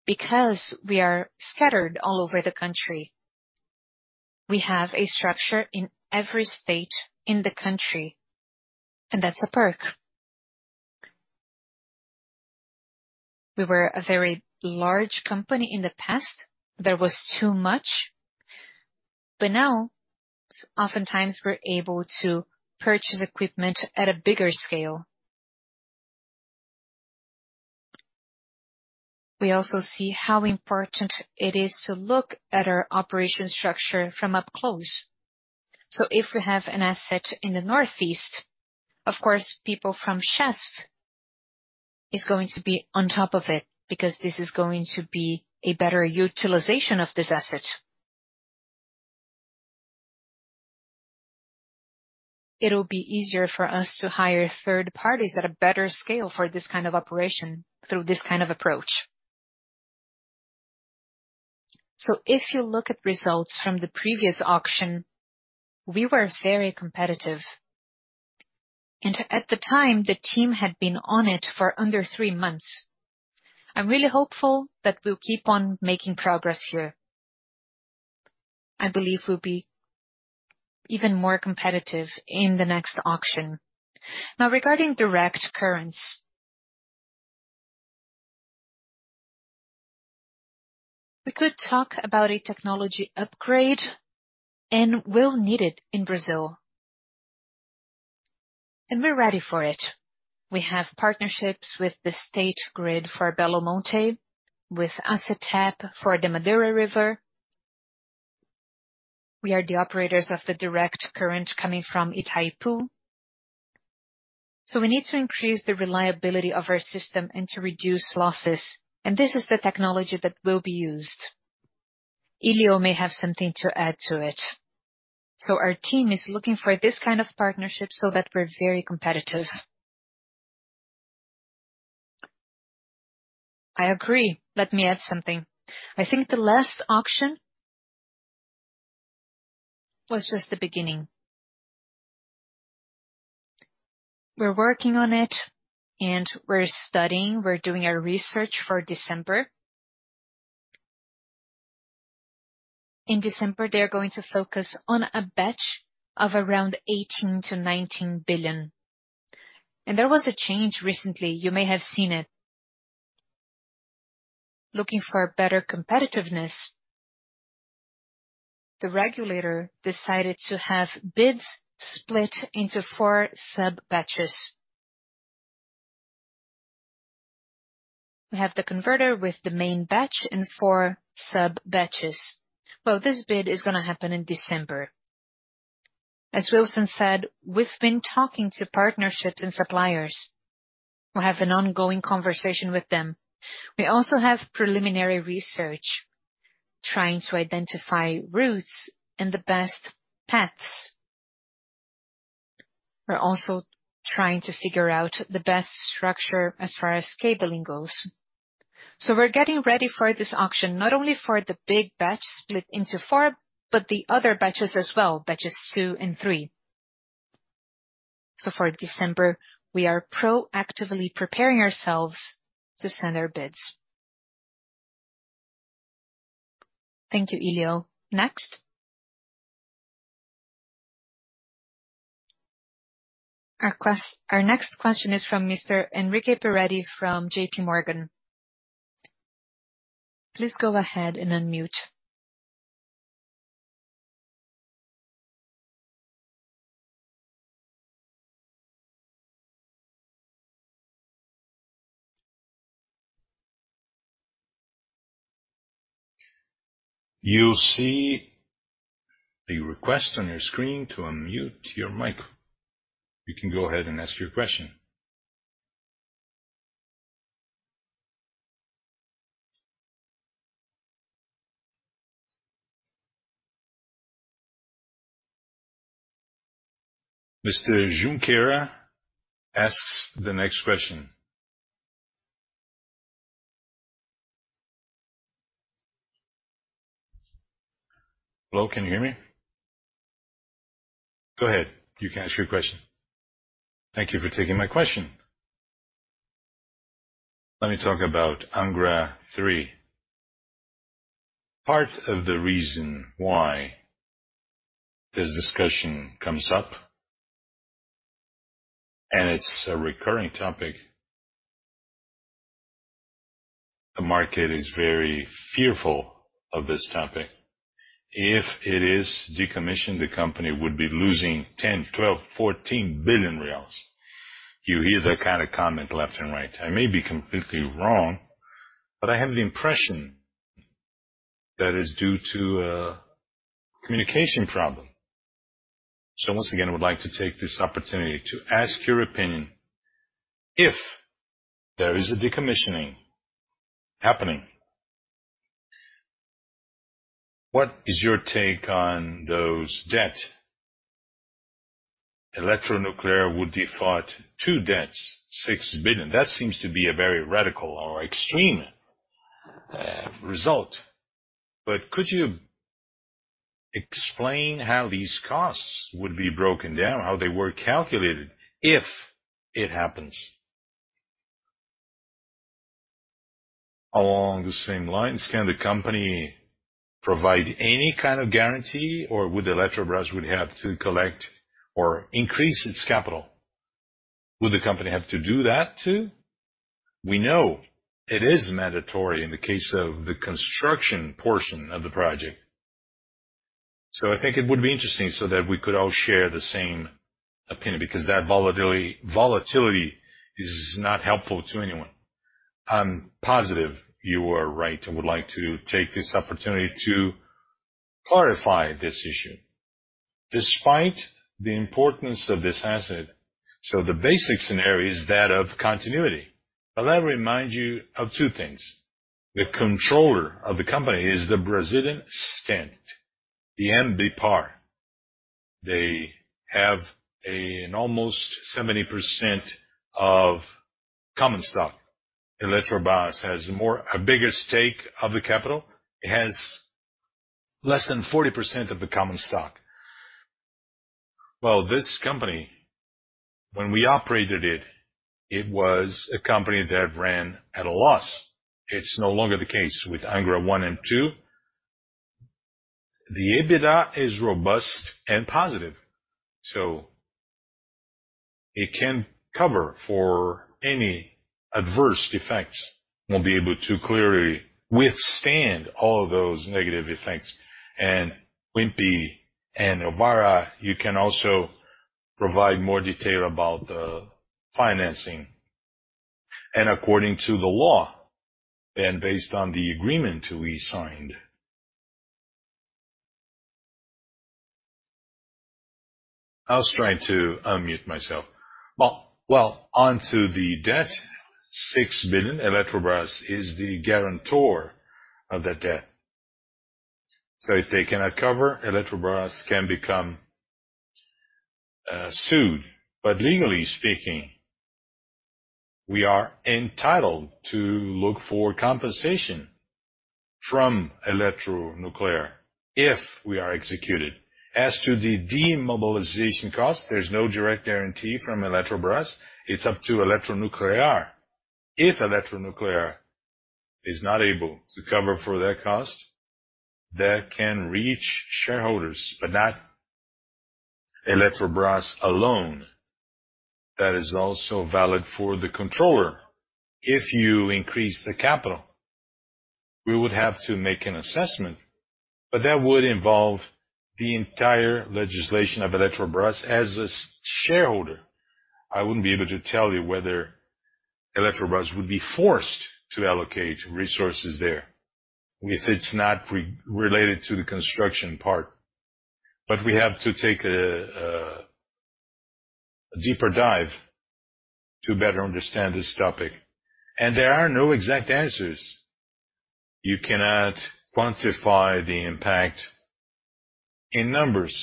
because we are scattered all over the country. We have a structure in every state in the country, and that's a perk. We were a very large company in the past. There was too much, but now, oftentimes we're able to purchase equipment at a bigger scale. We also see how important it is to look at our operation structure from up close. If we have an asset in the Northeast, of course, people from Chesf is going to be on top of it, because this is going to be a better utilization of this asset. It'll be easier for us to hire third parties at a better scale for this kind of operation through this kind of approach. If you look at results from the previous auction, we were very competitive, and at the time, the team had been on it for under three months. I'm really hopeful that we'll keep on making progress here. I believe we'll be even more competitive in the next auction. Now, regarding direct currents. We could talk about a technology upgrade, and we'll need it in Brazil, and we're ready for it. We have partnerships with the State Grid for Belo Monte, with ISA CTEEP for the Madeira River. We are the operators of the direct current coming from Itaipu, so we need to increase the reliability of our system and to reduce losses, and this is the technology that will be used. Élio may have something to add to it. Our team is looking for this kind of partnership so that we're very competitive. I agree. Let me add something. I think the last auction was just the beginning. We're working on it, and we're studying. We're doing our research for December. In December, they're going to focus on a batch of around 18 billion-19 billion. There was a change recently. You may have seen it. Looking for a better competitiveness, the regulator decided to have bids split into four sub-batches. We have the converter with the main batch and four sub-batches. Well, this bid is going to happen in December. As Wilson said, we've been talking to partnerships and suppliers. We have an ongoing conversation with them. We also have preliminary research trying to identify routes and the best paths. We're also trying to figure out the best structure as far as cabling goes. We're getting ready for this auction, not only for the big batch split into four, but the other batches as well, batches two and three. For December, we are proactively preparing ourselves to send our bids. Thank you, Élio. Next? Our next question is from Mr. Henrique Peretti from JPMorgan. Please go ahead and unmute. You'll see a request on your screen to unmute your mic. You can go ahead and ask your question. Mr. Junqueira asks the next question. Hello, can you hear me? Go ahead. You can ask your question. Thank you for taking my question. Let me talk about Angra 3. Part of the reason why this discussion comes up- It's a recurring topic. The market is very fearful of this topic. If it is decommissioned, the company would be losing 10 billion, 12 billion, 14 billion reais. You hear that kind of comment left and right. I may be completely wrong, but I have the impression that is due to a communication problem. Once again, I would like to take this opportunity to ask your opinion. If there is a decommissioning happening, what is your take on those debt? Eletronuclear would default two debts, 6 billion. That seems to be a very radical or extreme result. Could you explain how these costs would be broken down, how they were calculated, if it happens? Along the same lines, can the company provide any kind of guarantee, or would Eletrobras would have to collect or increase its capital? Would the company have to do that, too? We know it is mandatory in the case of the construction portion of the project. I think it would be interesting so that we could all share the same opinion, because that volatility, volatility is not helpful to anyone. I'm positive you are right, and would like to take this opportunity to clarify this issue. Despite the importance of this asset, the basic scenario is that of continuity. Let me remind you of two things. The controller of the company is the Brazilian state, the ENBPar. They have an almost 70% of common stock. Eletrobras has a bigger stake of the capital. It has less than 40% of the common stock. Well, this company, when we operated it, it was a company that ran at a loss. It's no longer the case with Angra 1 and T2. The EBITDA is robust and positive, it can cover for any adverse effects. We'll be able to clearly withstand all those negative effects. Limp and Elvira, you can also provide more detail about the financing. According to the law, based on the agreement we signed. I was trying to unmute myself. Well, well, on to the debt, $6 billion, Eletrobras is the guarantor of that debt. If they cannot cover, Eletrobras can become sued. Legally speaking, we are entitled to look for compensation from Eletronuclear if we are executed. As to the demobilization cost, there's no direct guarantee from Eletrobras. It's up to Eletronuclear. If Eletronuclear is not able to cover for that cost, that can reach shareholders, but not Eletrobras alone. That is also valid for the controller. If you increase the capital, we would have to make an assessment, but that would involve the entire legislation of Eletrobras. As a shareholder, I wouldn't be able to tell you whether Eletrobras would be forced to allocate resources there if it's not re-related to the construction part. We have to take a deeper dive to better understand this topic. There are no exact answers. You cannot quantify the impact in numbers.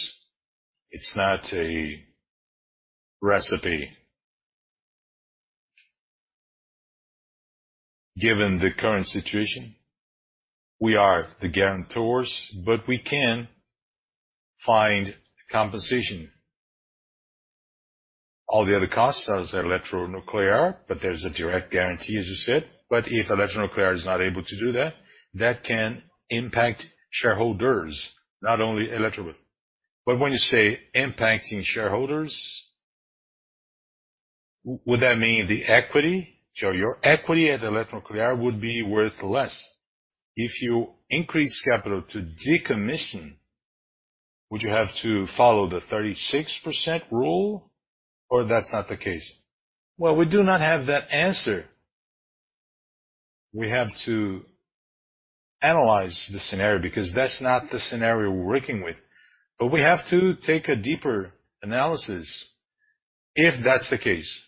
It's not a recipe. Given the current situation, we are the guarantors, but we can find compensation. All the other costs are Eletronuclear, but there's a direct guarantee, as you said. If Eletronuclear is not able to do that, that can impact shareholders, not only Electro. When you say impacting shareholders, would that mean the equity? Your equity at Eletronuclear would be worth less. If you increase capital to decommission, would you have to follow the 36% rule, or that's not the case? Well, we do not have that answer. We have to analyze the scenario, because that's not the scenario we're working with. We have to take a deeper analysis if that's the case.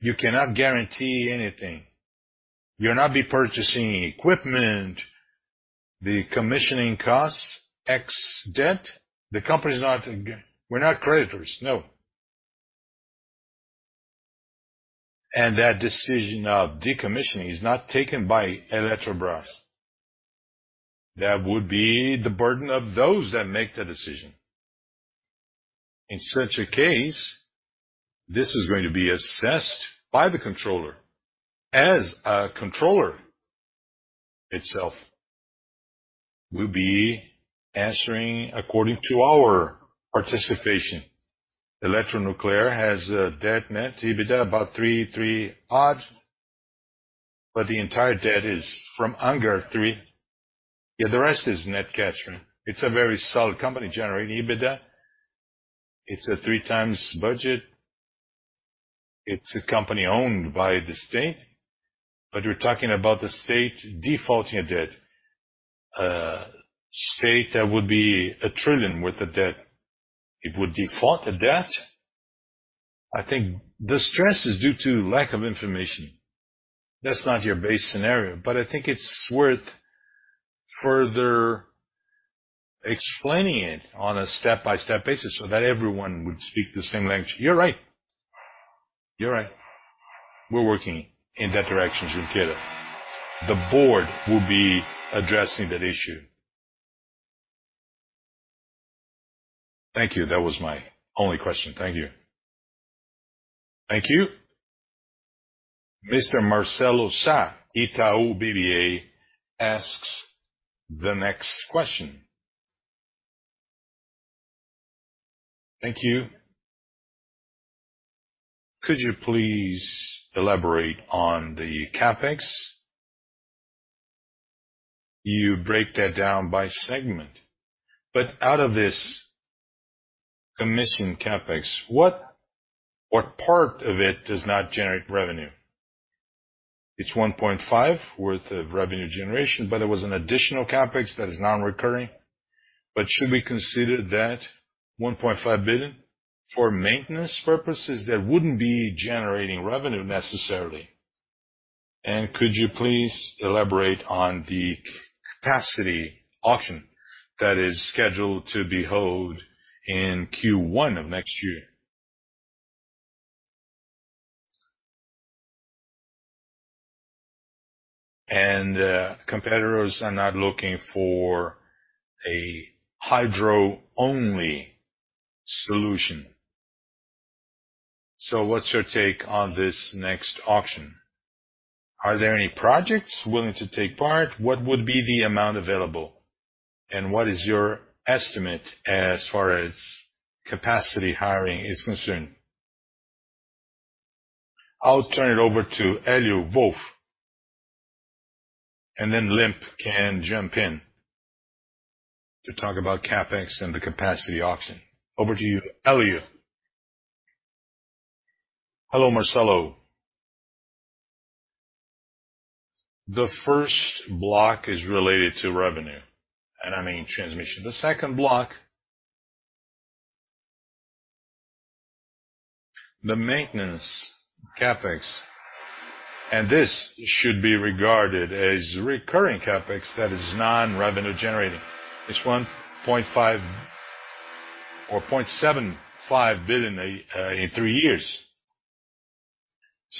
You cannot guarantee anything. You'll not be purchasing equipment, the commissioning costs, X debt. The company is not-- We're not creditors, no. That decision of decommissioning is not taken by Eletrobras. That would be the burden of those that make the decision. In such a case, this is going to be assessed by the controller as a controller itself. We'll be answering according to our participation. Eletronuclear has a debt net EBITDA about 3, 3-odds, the entire debt is from under three. Yeah, the rest is net cash. It's a very solid company, generating EBITDA. It's a 3x budget. It's a company owned by the state, but you're talking about the state defaulting a debt, state that would be 1 trillion with the debt. It would default the debt? I think the stress is due to lack of information. That's not your base scenario, but I think it's worth further explaining it on a step-by-step basis so that everyone would speak the same language. You're right. You're right. We're working in that direction, Junqueira. The board will be addressing that issue. Thank you. That was my only question. Thank you. Thank you. Mr. Marcelo Sá, Itaú BBA, asks the next question. Thank you. Could you please elaborate on the CapEx? You break that down by segment, but out of this commission CapEx, what, what part of it does not generate revenue? It's 1.5 worth of revenue generation, but there was an additional CapEx that is non-recurring, but should we consider that 1.5 billion for maintenance purposes, that wouldn't be generating revenue necessarily. Competitors are not looking for a hydro-only solution. What's your take on this next auction? Are there any projects willing to take part? What would be the amount available, and what is your estimate as far as capacity hiring is concerned? I'll turn it over to Élio Wolff, then Limp can jump in to talk about CapEx and the capacity auction. Over to you, Élio. Hello, Marcelo. The first block is related to revenue, and I mean Transmission. The second block, the maintenance CapEx. This should be regarded as recurring CapEx that is non-revenue generating. It's 1.5 billion or 0.75 billion in three years.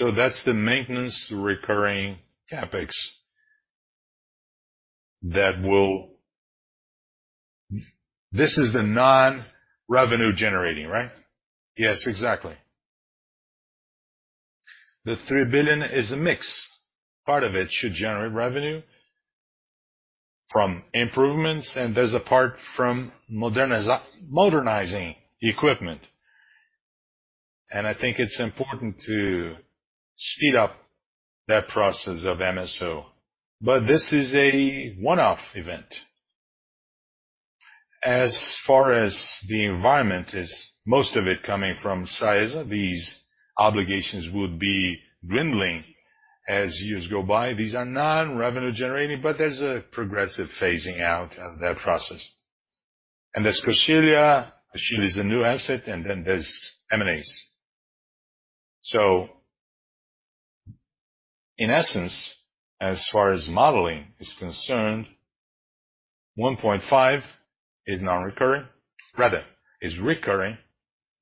That's the maintenance recurring CapEx. This is the non-revenue generating, right? Yes, exactly. The 3 billion is a mix. Part of it should generate revenue from improvements. There's a part from modernizing equipment. I think it's important to speed up that process of MSO. This is a one-off event. As far as the environment is, most of it coming from size, these obligations would be dwindling as years go by. These are non-revenue generating. There's a progressive phasing out of that process. There's Coxilha. Coxilha is a new asset. Then there's M&As. In essence, as far as modeling is concerned, 1.5 is non-recurring, rather, is recurring,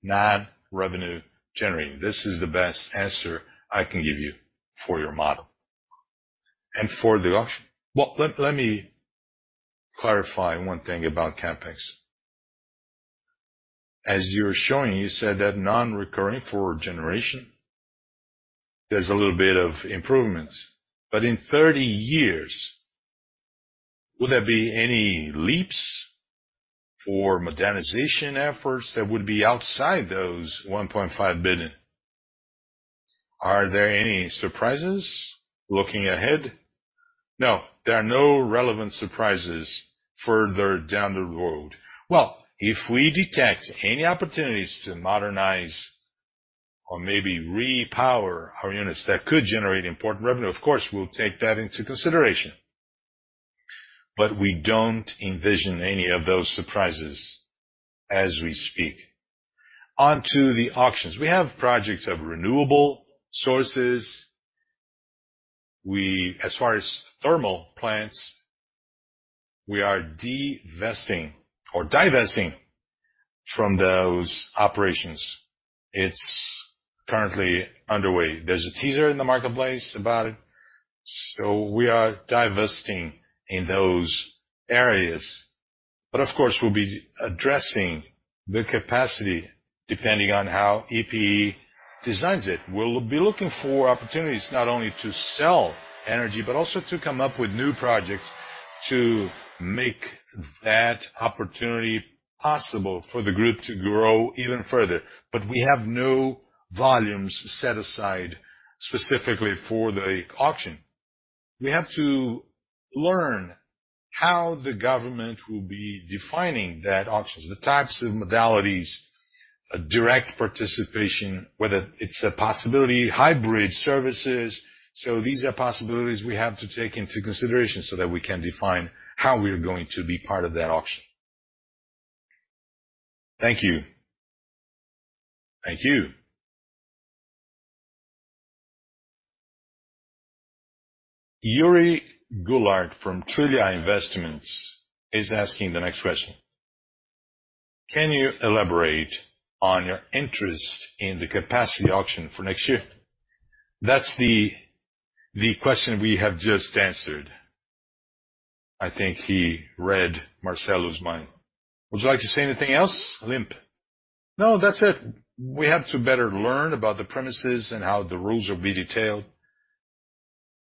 non-revenue generating. This is the best answer I can give you for your model. For the auction? Let me clarify one thing about CapEx. As you're showing, you said that non-recurring for Generation, there's a little bit of improvements, but in 30 years, would there be any leaps or modernization efforts that would be outside those 1.5 billion? Are there any surprises looking ahead? No, there are no relevant surprises further down the road. If we detect any opportunities to modernize or maybe repower our units, that could generate important revenue, of course, we'll take that into consideration. We don't envision any of those surprises as we speak. On to the auctions, we have projects of renewable sources. As far as thermal plants, we are divesting or divesting from those operations. It's currently underway. There's a teaser in the marketplace about it, so we are divesting in those areas. Of course, we'll be addressing the capacity depending on how EPE designs it. We'll be looking for opportunities not only to sell energy, but also to come up with new projects to make that opportunity possible for the group to grow even further. We have no volumes set aside specifically for the auction. We have to learn how the government will be defining that auction, the types of modalities, a direct participation, whether it's a possibility, hybrid services. These are possibilities we have to take into consideration so that we can define how we are going to be part of that auction. Thank you. Thank you. Yuri Gullard from Trilha Investments is asking the next question: Can you elaborate on your interest in the capacity auction for next year? That's the question we have just answered. I think he read Marcelo's mind. Would you like to say anything else, Limp? No, that's it. We have to better learn about the premises and how the rules will be detailed,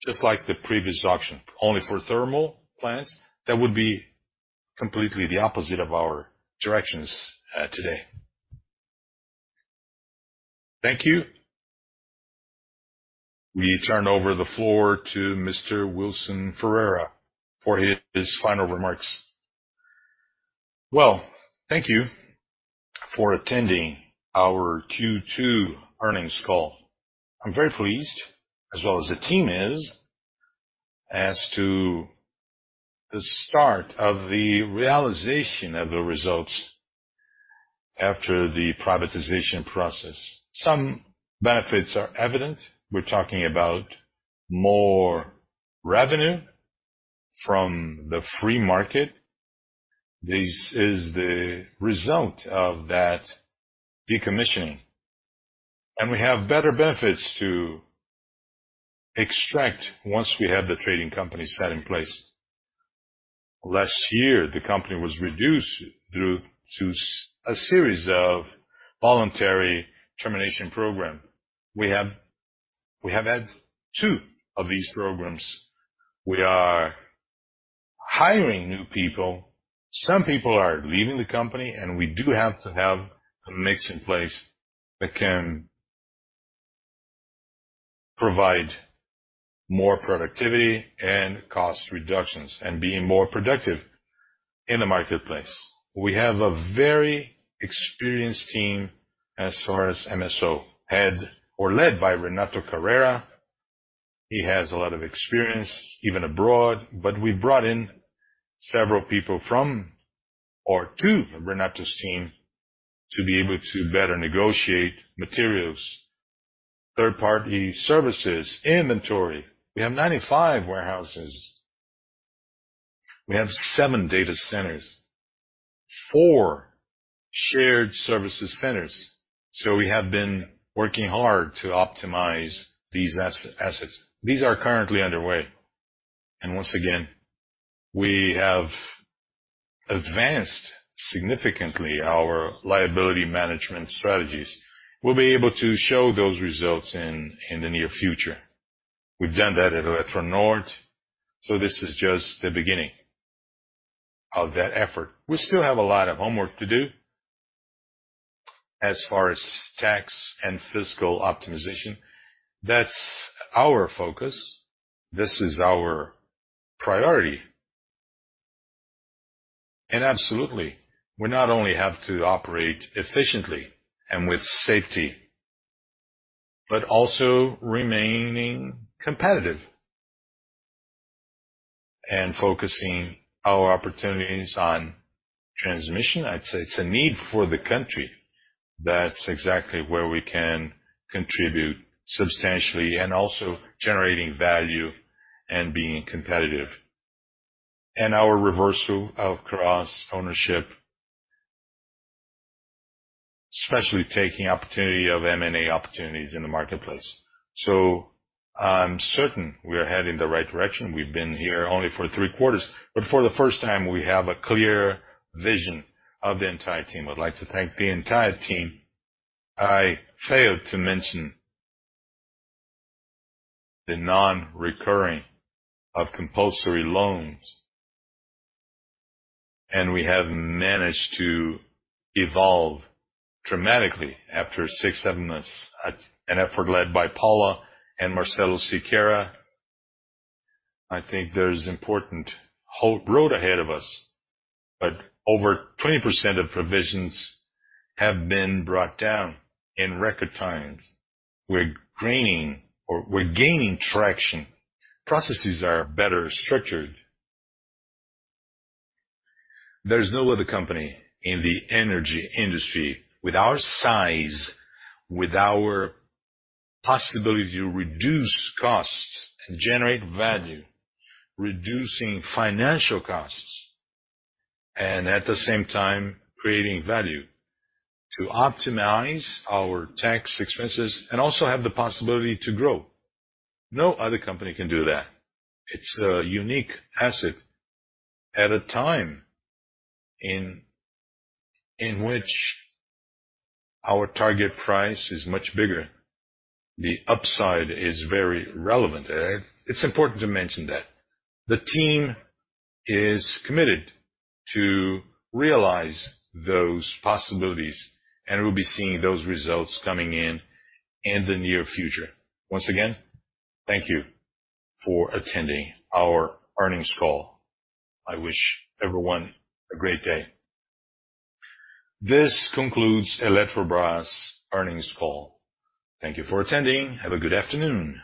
just like the previous auction, only for thermal plants. That would be completely the opposite of our directions today. Thank you. We turn over the floor to Mr. Wilson Ferreira for his final remarks. Well, thank you for attending our Q2 earnings call. I'm very pleased, as well as the team is, as to the start of the realization of the results after the privatization process. Some benefits are evident. We're talking about more revenue from the free market. This is the result of that decommissioning, and we have better benefits to extract once we have the trading company set in place. Last year, the company was reduced due to a series of voluntary termination program. We have had two of these programs. We are hiring new people. Some people are leaving the company, and we do have to have a mix in place that can provide more productivity and cost reductions, and being more productive in the marketplace. We have a very experienced team as far as MSO, head or led by Renato Carreira. He has a lot of experience, even abroad, but we brought in several people from or to Renato's team to be able to better negotiate materials, third-party services, inventory. We have 95 warehouses. We have seven data centers, four shared services centers. We have been working hard to optimize these assets. These are currently underway. Once again, we have advanced significantly our liability management strategies. We'll be able to show those results in the near future. We've done that at Eletronorte. This is just the beginning of that effort. We still have a lot of homework to do as far as tax and fiscal optimization. That's our focus. This is our priority. Absolutely, we not only have to operate efficiently and with safety, but also remaining competitive and focusing our opportunities on Transmission. I'd say it's a need for the country. That's exactly where we can contribute substantially and also generating value and being competitive. Our reversal of cross-ownership, especially taking opportunity of M&A opportunities in the marketplace. I'm certain we are heading in the right direction. We've been here only for three quarters. For the first time, we have a clear vision of the entire team. I'd like to thank the entire team. I failed to mention the non-recurring of compulsory loans. We have managed to evolve dramatically after six, seven months. At an effort led by Paula and Marcelo Siqueira, I think there's important whole road ahead of us. Over 20% of provisions have been brought down in record times. We're gaining traction. Processes are better structured. There's no other company in the energy industry with our size, with our possibility to reduce costs and generate value, reducing financial costs, and at the same time, creating value to optimize our tax expenses and also have the possibility to grow. No other company can do that. It's a unique asset at a time in, in which our target price is much bigger. The upside is very relevant. It's important to mention that the team is committed to realize those possibilities, and we'll be seeing those results coming in, in the near future. Once again, thank you for attending our earnings call. I wish everyone a great day. This concludes Eletrobras' earnings call. Thank you for attending. Have a good afternoon.